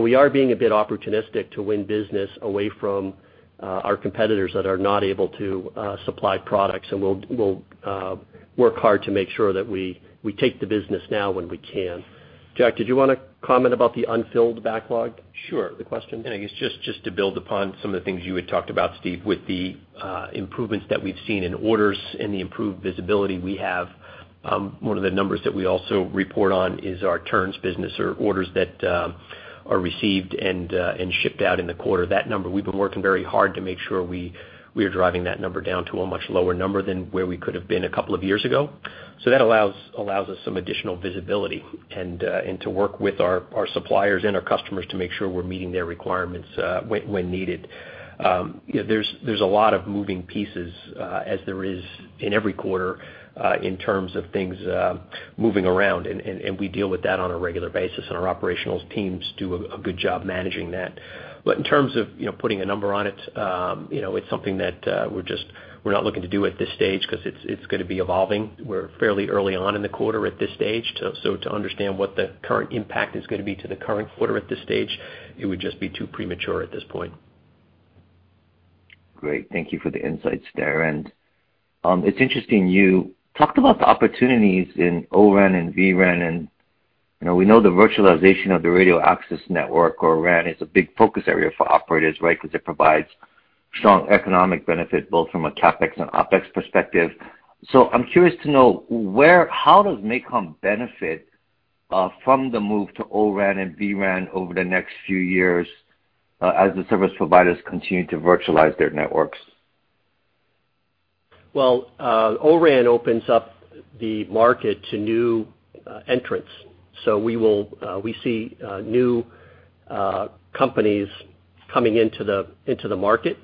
We are being a bit opportunistic to win business away from our competitors that are not able to supply products. We'll work hard to make sure that we take the business now when we can. Jack, did you want to comment about the unfilled backlog? Sure. The question. I guess just to build upon some of the things you had talked about, Steve, with the improvements that we've seen in orders and the improved visibility we have, one of the numbers that we also report on is our turns business or orders that are received and shipped out in the quarter. That number, we've been working very hard to make sure we are driving that number down to a much lower number than where we could have been a couple of years ago. That allows us some additional visibility and to work with our suppliers and our customers to make sure we're meeting their requirements when needed. There's a lot of moving pieces, as there is in every quarter, in terms of things moving around, and we deal with that on a regular basis, and our operational teams do a good job managing that. In terms of putting a number on it's something that we're not looking to do at this stage because it's going to be evolving. We're fairly early on in the quarter at this stage. To understand what the current impact is going to be to the current quarter at this stage, it would just be too premature at this point. Great. Thank you for the insights there. It's interesting you talked about the opportunities in ORAN and vRAN, and we know the virtualization of the radio access network or RAN is a big focus area for operators, right? Because it provides strong economic benefit, both from a CapEx and OpEx perspective. I'm curious to know how does MACOM benefit from the move to ORAN and vRAN over the next few years as the service providers continue to virtualize their networks? ORAN opens up the market to new entrants. We see new companies coming into the market,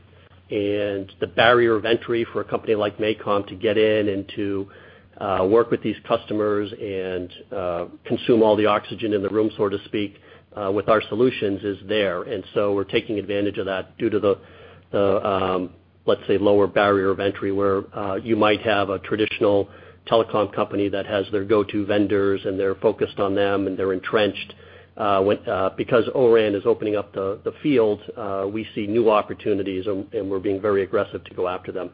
and the barrier of entry for a company like MACOM to get in and to work with these customers and consume all the oxygen in the room, so to speak, with our solutions is there. We're taking advantage of that due to the, let's say, lower barrier of entry where you might have a traditional telecom company that has their go-to vendors, and they're focused on them, and they're entrenched. Because ORAN is opening up the field, we see new opportunities, and we're being very aggressive to go after them.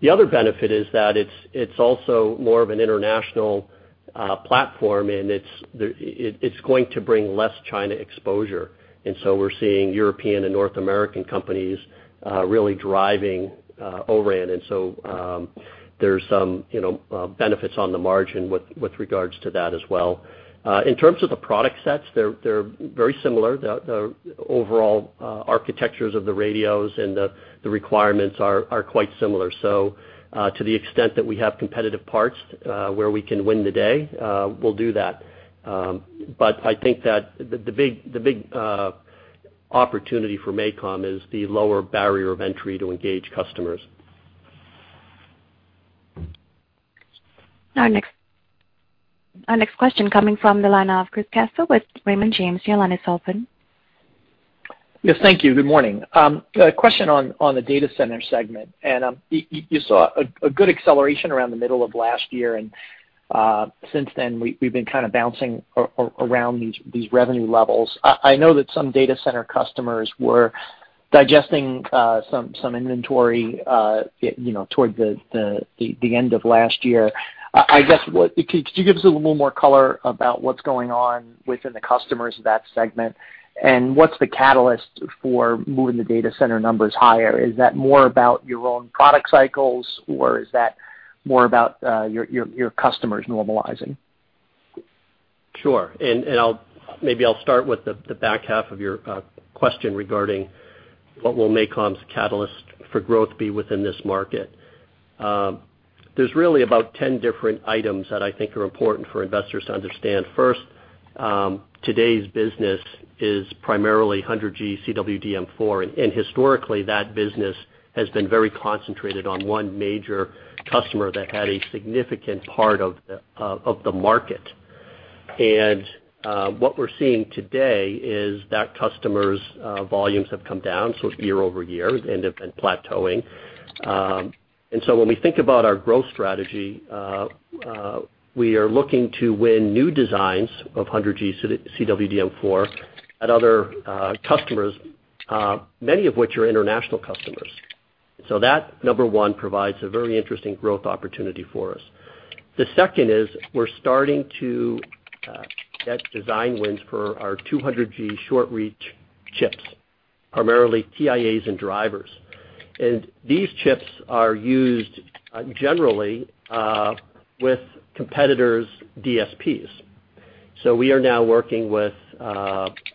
The other benefit is that it's also more of an international platform, and it's going to bring less China exposure. We're seeing European and North American companies really driving ORAN. There's some benefits on the margin with regards to that as well. In terms of the product sets, they're very similar. The overall architectures of the radios and the requirements are quite similar. To the extent that we have competitive parts where we can win the day, we'll do that. I think that the big opportunity for MACOM is the lower barrier of entry to engage customers. Our next question coming from the line of Chris Caso with Raymond James. Your line is open. Yes, thank you. Good morning. A question on the data center segment. You saw a good acceleration around the middle of last year, and since then we've been kind of bouncing around these revenue levels. I know that some data center customers were digesting some inventory toward the end of last year. I guess, could you give us a little more color about what's going on within the customers of that segment, and what's the catalyst for moving the data center numbers higher? Is that more about your own product cycles, or is that more about your customers normalizing? Sure. Maybe I'll start with the back half of your question regarding what will MACOM's catalyst for growth be within this market. There's really about 10 different items that I think are important for investors to understand. First, today's business is primarily 100G CWDM4, and historically, that business has been very concentrated on one major customer that had a significant part of the market. What we're seeing today is that customer's volumes have come down, so year-over-year, and have been plateauing. When we think about our growth strategy, we are looking to win new designs of 100G CWDM4 at other customers, many of which are international customers. That, number one, provides a very interesting growth opportunity for us. The second is we're starting to get design wins for our 200G short-reach chips, primarily TIAs and drivers. These chips are used generally with competitors' DSPs. We are now working with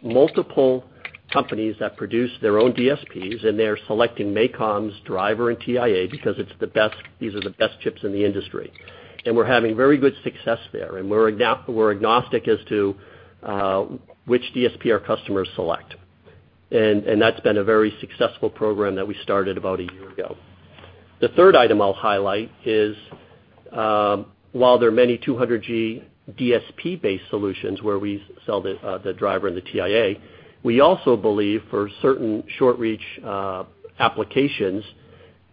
multiple companies that produce their own DSPs, and they're selecting MACOM's driver and TIA because these are the best chips in the industry. We're having very good success there. We're agnostic as to which DSP our customers select. That's been a very successful program that we started about a year ago. The third item I'll highlight is, while there are many 200G DSP-based solutions where we sell the driver and the TIA, we also believe for certain short-reach applications,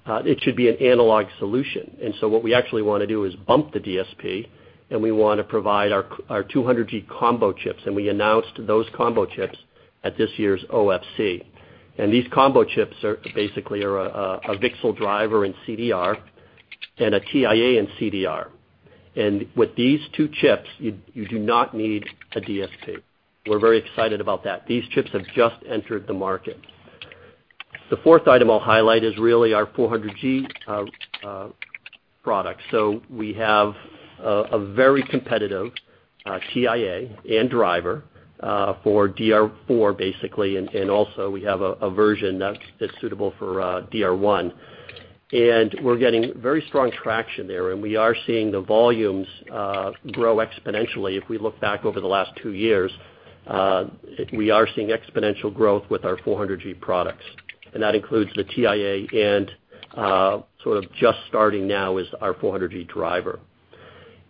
it should be an analog solution. What we actually want to do is bump the DSP, and we want to provide our 200G combo chips. We announced those combo chips at this year's OFC. These combo chips are basically are a VCSEL Driver and CDR and a TIA and CDR. With these two chips, you do not need a DSP. We're very excited about that. These chips have just entered the market. The fourth item I'll highlight is really our 400G products. We have a very competitive TIA and driver for DR4, basically, and also we have a version that's suitable for DR1. We're getting very strong traction there, and we are seeing the volumes grow exponentially. If we look back over the last two years, we are seeing exponential growth with our 400G products, and that includes the TIA and sort of just starting now is our 400G driver.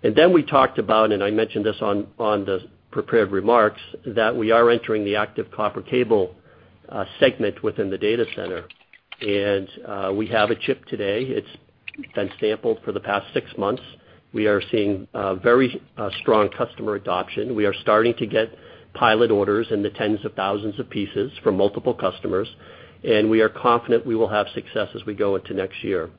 We talked about, and I mentioned this on the prepared remarks, that we are entering the active copper cable segment within the data center. We have a chip today. It's been sampled for the past six months. We are seeing very strong customer adoption. We are starting to get pilot orders in the tens of thousands of pieces from multiple customers, and we are confident we will have success as we go into next year.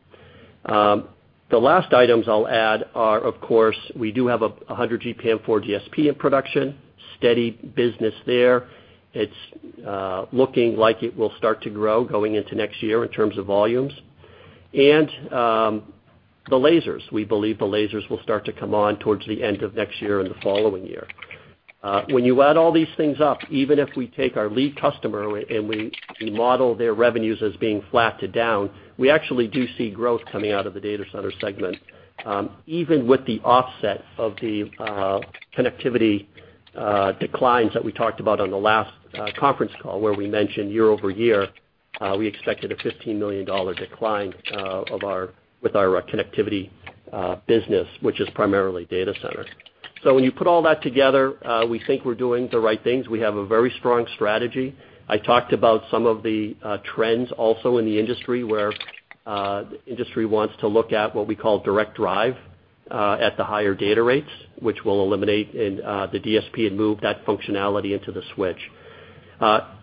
The last items I'll add are, of course, we do have 100G PAM4 DSP in production, steady business there. It's looking like it will start to grow going into next year in terms of volumes. The lasers, we believe the lasers will start to come on towards the end of next year and the following year. When you add all these things up, even if we take our lead customer and we model their revenues as being flat to down, we actually do see growth coming out of the data center segment, even with the offset of the connectivity declines that we talked about on the last conference call, where we mentioned year-over-year, we expected a $15 million decline with our connectivity business, which is primarily data center. When you put all that together, we think we're doing the right things. We have a very strong strategy. I talked about some of the trends also in the industry, where the industry wants to look at what we call direct drive at the higher data rates, which will eliminate the DSP and move that functionality into the switch.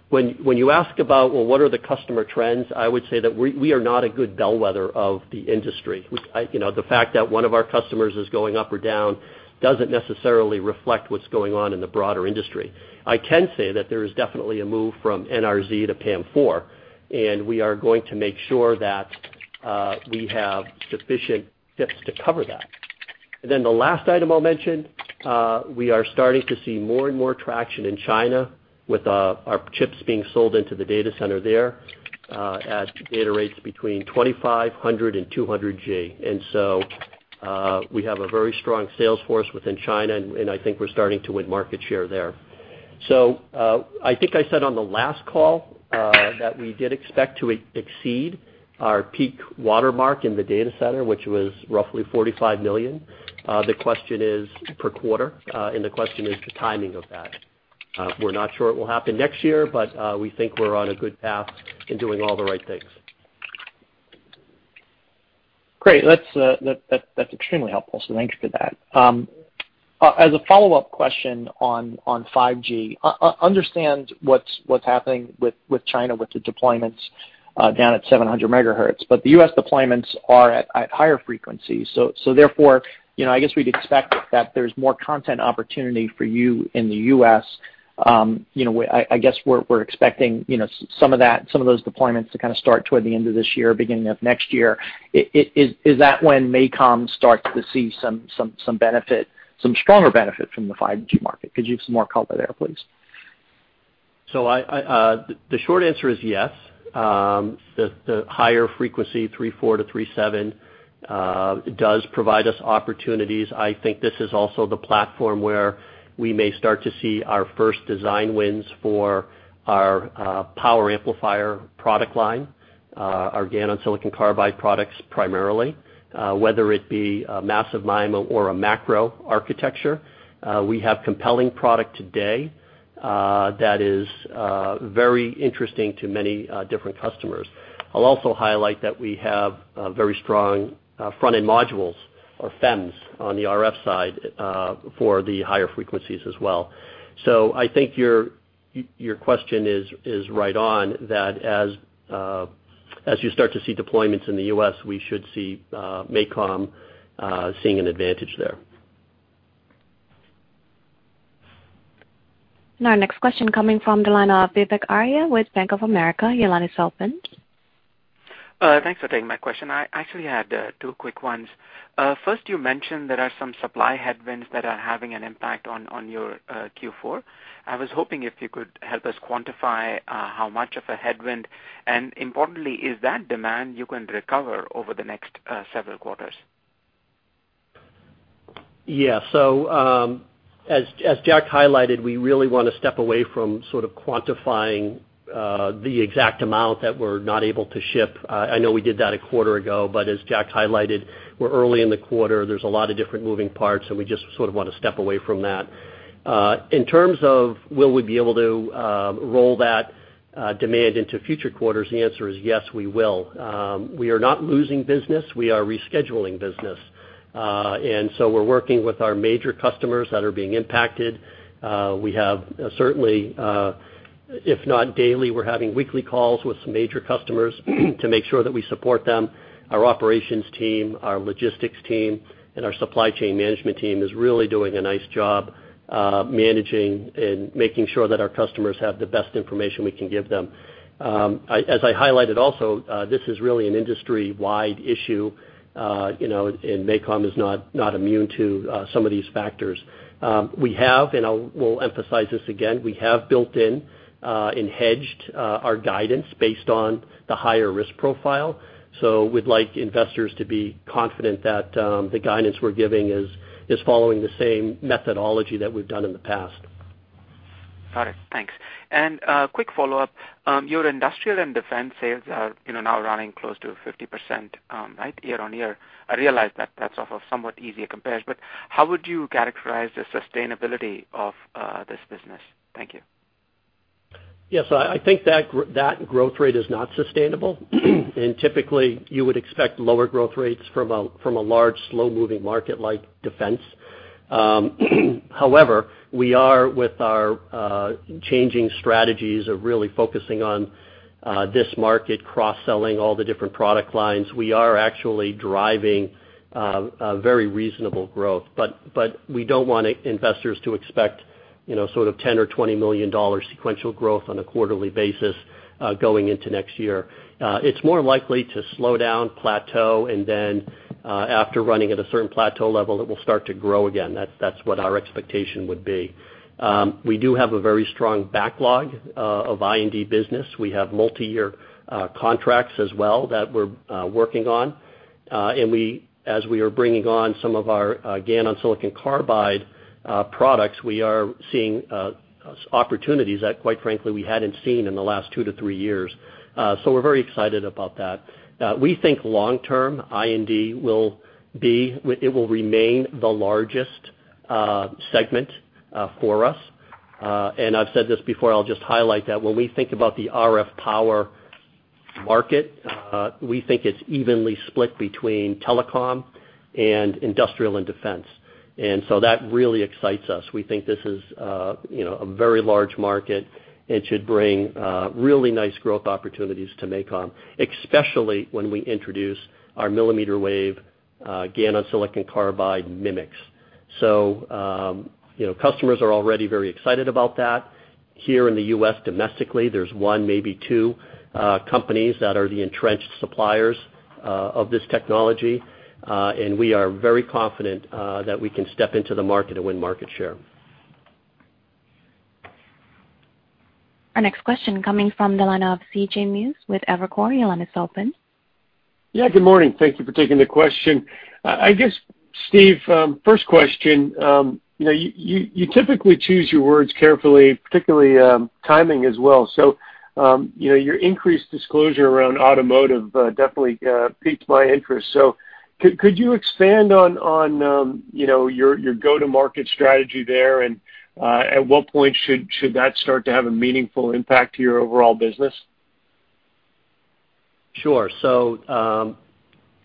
When you ask about, well, what are the customer trends, I would say that we are not a good bellwether of the industry. The fact that one of our customers is going up or down doesn't necessarily reflect what's going on in the broader industry. I can say that there is definitely a move from NRZ to PAM-4, and we are going to make sure that we have sufficient chips to cover that. The last item I'll mention, we are starting to see more and more traction in China with our chips being sold into the data center there at data rates between 2,500G and 200G. We have a very strong sales force within China, and I think we're starting to win market share there. I think I said on the last call that we did expect to exceed our peak watermark in the data center, which was roughly $45 million per quarter. The question is the timing of that. We're not sure it will happen next year, but we think we're on a good path in doing all the right things. Great. That's extremely helpful, thanks for that. As a follow-up question on 5G, understand what's happening with China, with the deployments down at 700 MHz. The U.S. deployments are at higher frequencies. Therefore, I guess we'd expect that there's more content opportunity for you in the U.S. I guess we're expecting some of those deployments to start toward the end of this year, beginning of next year. Is that when MACOM starts to see some stronger benefit from the 5G market? Could you give some more color there, please? The short answer is yes. The higher frequency, 3.4-3.7, does provide us opportunities. I think this is also the platform where we may start to see our first design wins for our power amplifier product line, our GaN on silicon carbide products primarily, whether it be a Massive MIMO or a macro architecture. We have compelling product today that is very interesting to many different customers. I'll also highlight that we have very strong front-end modules or FEMs on the RF side for the higher frequencies as well. I think your question is right on, that as you start to see deployments in the U.S., we should see MACOM seeing an advantage there. Our next question coming from the line of Vivek Arya with Bank of America. Your line is open. Thanks for taking my question. I actually had two quick ones. First, you mentioned there are some supply headwinds that are having an impact on your Q4. I was hoping if you could help us quantify how much of a headwind, and importantly, is that demand you can recover over the next several quarters? As Jack highlighted, we really want to step away from sort of quantifying the exact amount that we're not able to ship. I know we did that a quarter ago, as Jack highlighted, we're early in the quarter. There's a lot of different moving parts, we just sort of want to step away from that. In terms of will we be able to roll that demand into future quarters, the answer is yes, we will. We are not losing business. We are rescheduling business. We're working with our major customers that are being impacted. We have certainly, if not daily, we're having weekly calls with some major customers to make sure that we support them. Our operations team, our logistics team, and our supply chain management team is really doing a nice job managing and making sure that our customers have the best information we can give them. As I highlighted also, this is really an industry-wide issue, and MACOM is not immune to some of these factors. We have, and I will emphasize this again, we have built in and hedged our guidance based on the higher risk profile. We'd like investors to be confident that the guidance we're giving is following the same methodology that we've done in the past. Got it. Thanks. A quick follow-up. Your industrial and defense sales are now running close to 50% year-on-year. I realize that that's off of somewhat easier compares, but how would you characterize the sustainability of this business? Thank you. I think that growth rate is not sustainable, and typically you would expect lower growth rates from a large, slow-moving market like defense. We are with our changing strategies of really focusing on this market, cross-selling all the different product lines, we are actually driving a very reasonable growth. We don't want investors to expect sort of $10 million or $20 million sequential growth on a quarterly basis going into next year. It's more likely to slow down, plateau, and then after running at a certain plateau level, it will start to grow again. That's what our expectation would be. We do have a very strong backlog of I&D business. We have multi-year contracts as well that we're working on. As we are bringing on some of our GaN on silicon carbide products, we are seeing opportunities that quite frankly, we hadn't seen in the last two to three years. We're very excited about that. We think long-term, I&D will remain the largest segment for us. I've said this before, I'll just highlight that when we think about the RF power market. We think it's evenly split between telecom and industrial and defense. That really excites us. We think this is a very large market. It should bring really nice growth opportunities to MACOM, especially when we introduce our millimeter wave, GaN on silicon carbide MMICs. Customers are already very excited about that. Here in the U.S. domestically, there's one, maybe two companies that are the entrenched suppliers of this technology. We are very confident that we can step into the market and win market share. Our next question coming from the line of C.J. Muse with Evercore. Your line is open. Good morning. Thank you for taking the question. Steve, first question, you typically choose your words carefully, particularly timing as well. Your increased disclosure around automotive definitely piqued my interest. Could you expand on your go-to-market strategy there, and at what point should that start to have a meaningful impact to your overall business? Sure.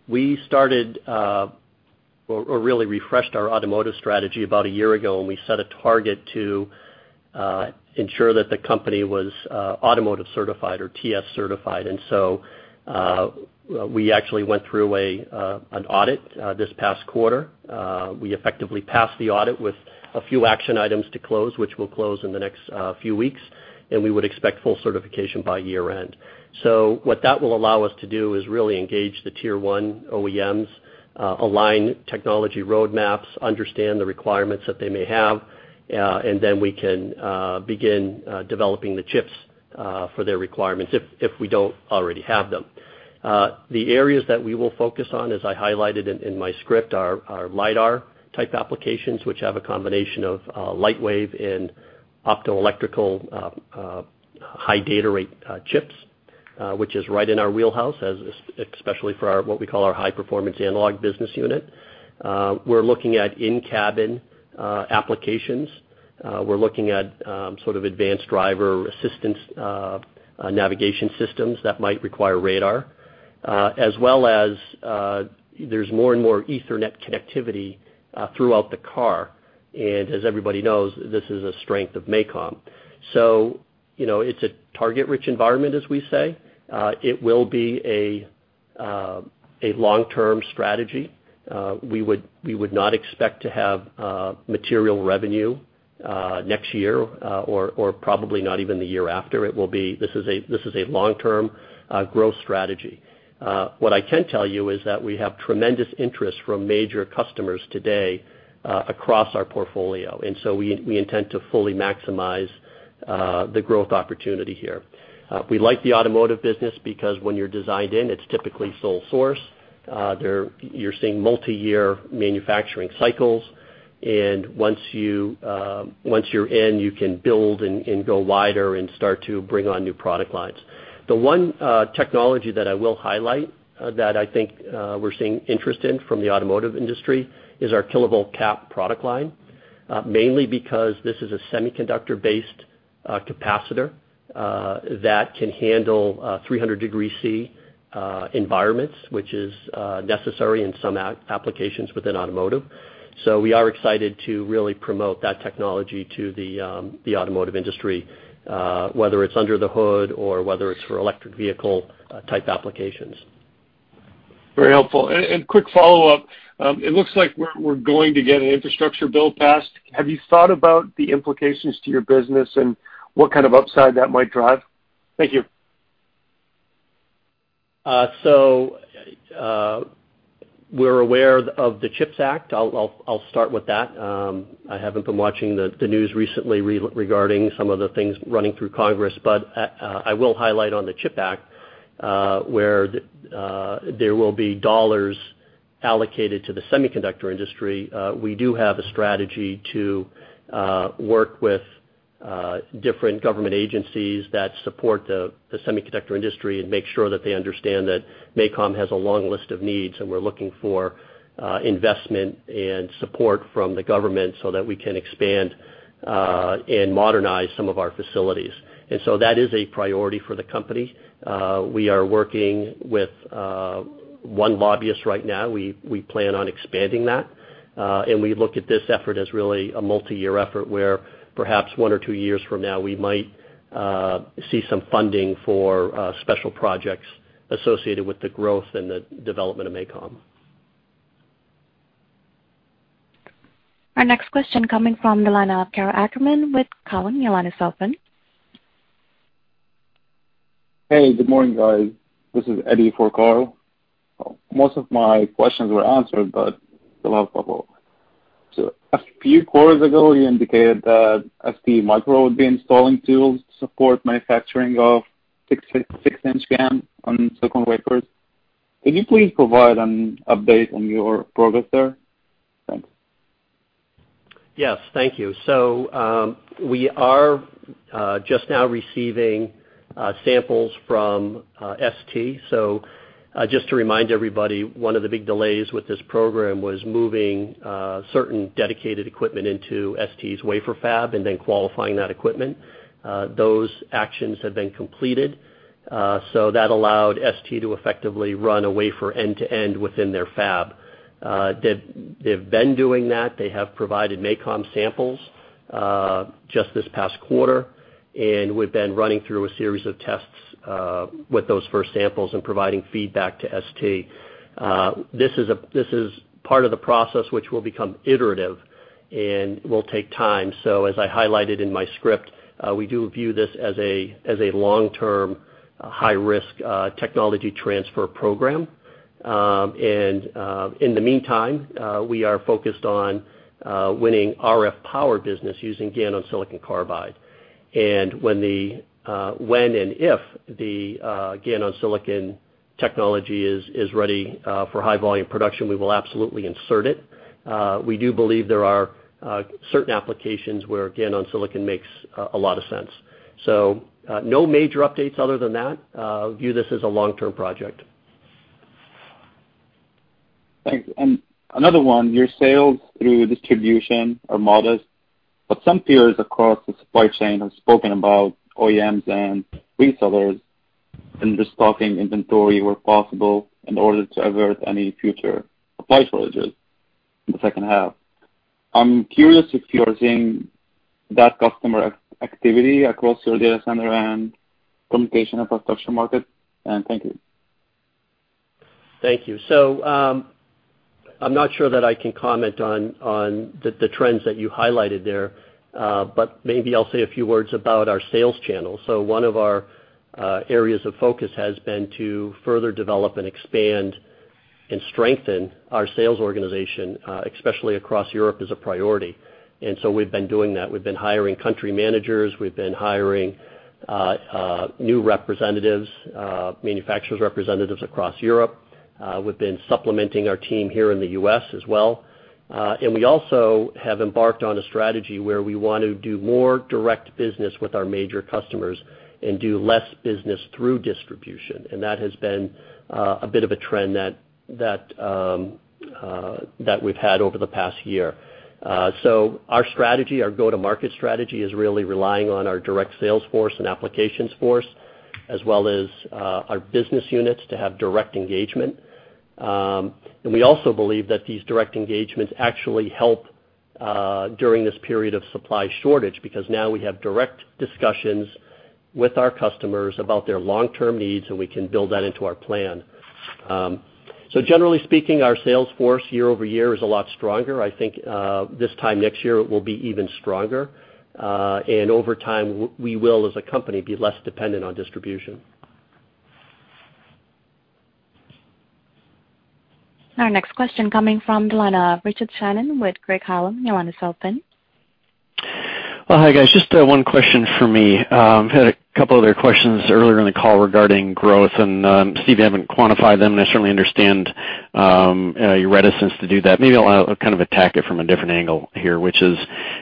We started or really refreshed our automotive strategy about a year ago, and we set a target to ensure that the company was automotive certified or TS certified. We actually went through an audit this past quarter. We effectively passed the audit with a few action items to close, which we'll close in the next few weeks, and we would expect full certification by year-end. What that will allow us to do is really engage the Tier 1 OEMs, align technology roadmaps, understand the requirements that they may have, and then we can begin developing the chips for their requirements if we don't already have them. The areas that we will focus on, as I highlighted in my script, are LiDAR-type applications, which have a combination of Lightwave and Optoelectronic high data rate chips, which is right in our wheelhouse, especially for what we call our high-performance analog business unit. We're looking at in-cabin applications. We're looking at sort of advanced driver assistance navigation systems that might require radar. As well as there's more and more ethernet connectivity throughout the car. As everybody knows, this is a strength of MACOM. It's a target-rich environment, as we say. It will be a long-term strategy. We would not expect to have material revenue next year, or probably not even the year after. This is a long-term growth strategy. What I can tell you is that we have tremendous interest from major customers today across our portfolio. We intend to fully maximize the growth opportunity here. We like the automotive business because when you're designed in, it's typically sole source. You're seeing multi-year manufacturing cycles. Once you're in, you can build and go wider and start to bring on new product lines. The one technology that I will highlight that I think we're seeing interest in from the automotive industry is our kilovolt cap product line. Mainly because this is a semiconductor-based capacitor that can handle 300 degrees C environments, which is necessary in some applications within automotive. We are excited to really promote that technology to the automotive industry, whether it's under the hood or whether it's for electric vehicle-type applications. Very helpful. Quick follow-up. It looks like we're going to get an infrastructure bill passed. Have you thought about the implications to your business and what kind of upside that might drive? Thank you. We're aware of the CHIPS Act. I'll start with that. I haven't been watching the news recently regarding some of the things running through Congress, but I will highlight on the CHIP Act, where there will be dollars allocated to the semiconductor industry. We do have a strategy to work with different government agencies that support the semiconductor industry and make sure that they understand that MACOM has a long list of needs, and we're looking for investment and support from the government so that we can expand and modernize some of our facilities. That is a priority for the company. We are working with one lobbyist right now. We plan on expanding that. We look at this effort as really a multi-year effort where perhaps one or two years from now, we might see some funding for special projects associated with the growth and the development of MACOM. Our next question coming from the line of Karl Ackerman with Cowen. Your line is open. Hey, good morning, guys. This is Eddie for Karl. Most of my questions were answered, but still have a couple. A few quarters ago, you indicated that STMicroelectronics would be installing tools to support manufacturing of 6 in GaN on silicon wafers. Can you please provide an update on your progress there? Yes. Thank you. We are just now receiving samples from ST. Just to remind everybody, one of the big delays with this program was moving certain dedicated equipment into ST's wafer fab and then qualifying that equipment. Those actions have been completed. That allowed ST to effectively run a wafer end-to-end within their fab. They've been doing that. They have provided MACOM samples just this past quarter, and we've been running through a series of tests with those first samples and providing feedback to ST. This is part of the process which will become iterative and will take time. As I highlighted in my script, we do view this as a long-term, high-risk technology transfer program. In the meantime, we are focused on winning RF power business using gallium on silicon carbide. When and if the gallium on silicon technology is ready for high-volume production, we will absolutely insert it. We do believe there are certain applications where gallium on silicon makes a lot of sense. No major updates other than that. View this as a long-term project. Thanks. Another one, your sales through distribution are modest, but some peers across the supply chain have spoken about OEMs and resellers and restocking inventory where possible in order to avert any future supply shortages in the second half. I'm curious if you're seeing that customer activity across your data center and communication infrastructure market. Thank you. Thank you. I'm not sure that I can comment on the trends that you highlighted there. Maybe I'll say a few words about our sales channel. One of our areas of focus has been to further develop and expand and strengthen our sales organization, especially across Europe, as a priority. We've been doing that. We've been hiring country managers, we've been hiring new representatives, manufacturers representatives across Europe. We've been supplementing our team here in the U.S. as well. We also have embarked on a strategy where we want to do more direct business with our major customers and do less business through distribution. That has been a bit of a trend that we've had over the past year. Our go-to-market strategy is really relying on our direct sales force and applications force, as well as our business units to have direct engagement. We also believe that these direct engagements actually help during this period of supply shortage, because now we have direct discussions with our customers about their long-term needs, and we can build that into our plan. Generally speaking, our sales force year-over-year is a lot stronger. I think, this time next year, it will be even stronger. Over time, we will, as a company, be less dependent on distribution. Our next question coming from the line of Richard Shannon with Craig-Hallum. Well, hi, guys. Just one question from me. Had a couple other questions earlier in the call regarding growth, and Steve, you haven't quantified them, and I certainly understand your reticence to do that. Maybe I'll kind of attack it from a different angle here, which is,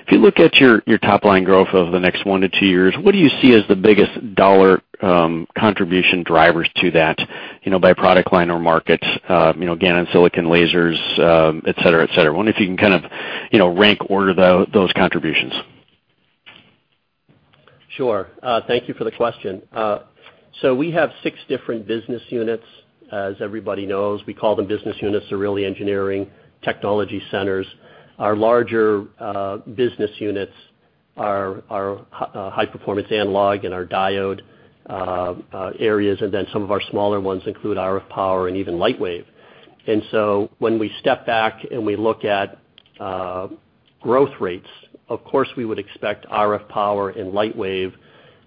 if you look at your top-line growth over the next one to two years, what do you see as the biggest dollar contribution drivers to that, by product line or markets, gallium silicon lasers, et cetera, et cetera? Wonder if you can kind of rank order those contributions. Sure. Thank you for the question. We have six different business units. As everybody knows, we call them business units. They're really engineering technology centers. Our larger business units are our high-performance analog and our diode areas, some of our smaller ones include RF power and even Lightwave. When we step back and we look at growth rates, of course, we would expect RF power and Lightwave,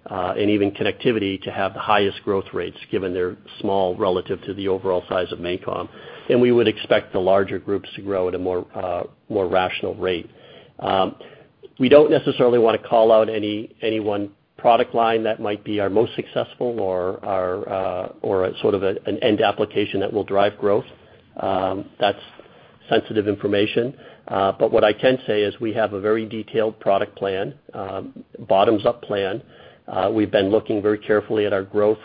and even connectivity to have the highest growth rates given their small relative to the overall size of MACOM. We would expect the larger groups to grow at a more rational rate. We don't necessarily want to call out any one product line that might be our most successful or sort of an end application that will drive growth. That's sensitive information. What I can say is we have a very detailed product plan, bottoms-up plan. We've been looking very carefully at our growth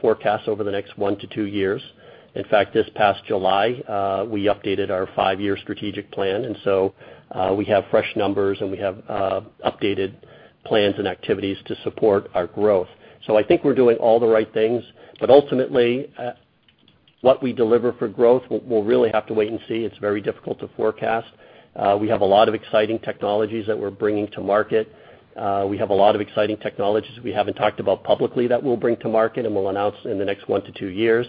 forecast over the next one to two years. In fact, this past July, we updated our five-year strategic plan. We have fresh numbers, and we have updated plans and activities to support our growth. I think we're doing all the right things. Ultimately, what we deliver for growth, we'll really have to wait and see. It's very difficult to forecast. We have a lot of exciting technologies that we're bringing to market. We have a lot of exciting technologies we haven't talked about publicly that we'll bring to market and will announce in the next one to two years.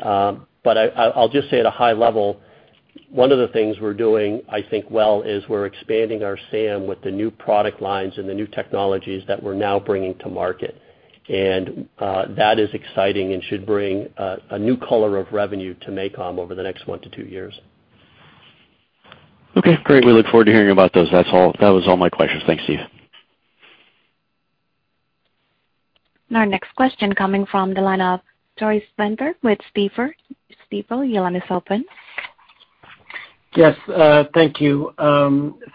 I'll just say at a high level, one of the things we're doing, I think well, is we're expanding our SAM with the new product lines and the new technologies that we're now bringing to market. That is exciting and should bring a new color of revenue to MACOM over the next one to two years. Okay, great. We look forward to hearing about those. That was all my questions. Thanks, Steve. Our next question coming from the line of Tore Svanberg with Stifel. Stifel, your line is open. Yes, thank you.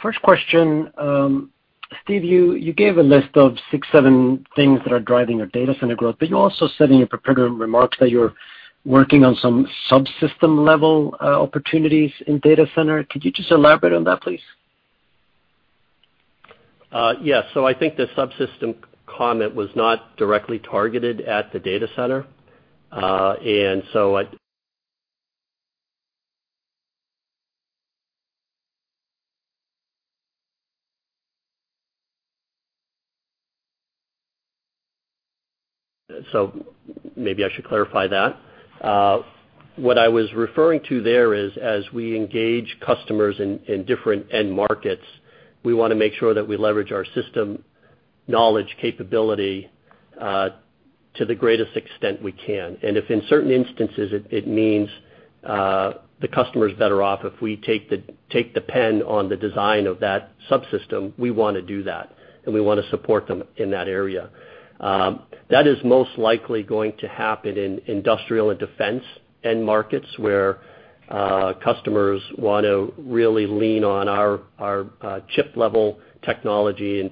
First question. Steve, you gave a list of six, seven things that are driving your data center growth, but you also said in your prepared remarks that you're working on some subsystem-level opportunities in data center. Could you just elaborate on that, please? Yes. I think the subsystem comment was not directly targeted at the data center. Maybe I should clarify that. What I was referring to there is, as we engage customers in different end markets, we want to make sure that we leverage our system knowledge capability, to the greatest extent we can. If in certain instances it means the customer's better off if we take the pen on the design of that subsystem, we want to do that, and we want to support them in that area. That is most likely going to happen in industrial and defense end markets, where customers want to really lean on our chip-level technology and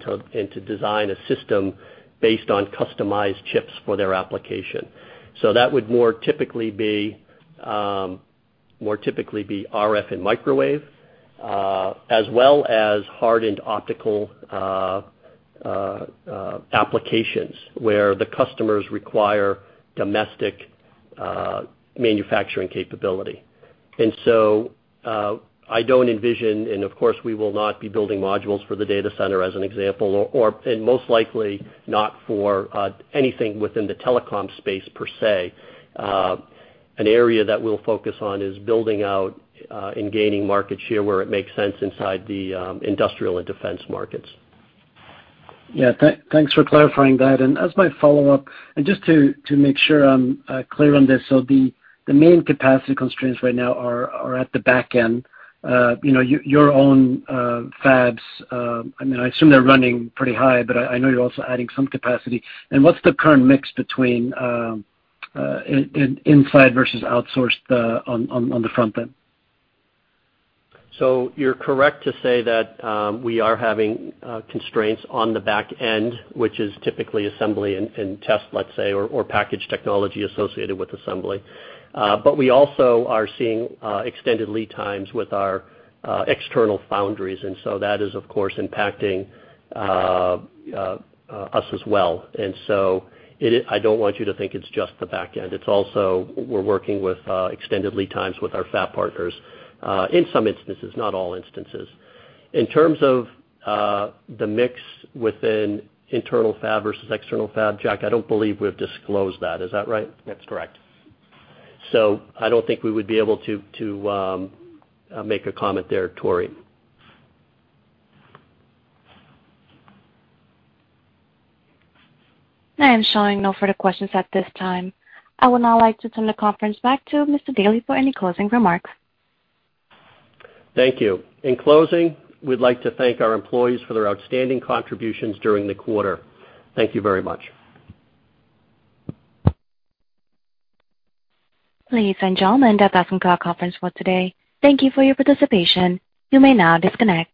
to design a system based on customized chips for their application. That would more typically be RF and microwave, as well as hardened optical applications where the customers require domestic manufacturing capability. I don't envision, and of course, we will not be building modules for the data center as an example, and most likely not for anything within the telecom space per se. An area that we'll focus on is building out and gaining market share where it makes sense inside the industrial and defense markets. Yeah, thanks for clarifying that. As my follow-up, just to make sure I'm clear on this, the main capacity constraints right now are at the back end. Your own fabs, I assume they're running pretty high, but I know you're also adding some capacity. What's the current mix between inside versus outsourced on the front end? You're correct to say that we are having constraints on the back end, which is typically assembly and test, let's say, or package technology associated with assembly. We also are seeing extended lead times with our external foundries, and so that is, of course, impacting us as well. I don't want you to think it's just the back end. It's also we're working with extended lead times with our fab partners in some instances, not all instances. In terms of the mix within internal fab versus external fab, Jack, I don't believe we've disclosed that. Is that right? That's correct. I don't think we would be able to make a comment there, Tore. I am showing no further questions at this time. I would now like to turn the conference back to Mr. Daly for any closing remarks. Thank you. In closing, we'd like to thank our employees for their outstanding contributions during the quarter. Thank you very much. Ladies and gentlemen, that concludes our conference for today. Thank you for your participation. You may now disconnect.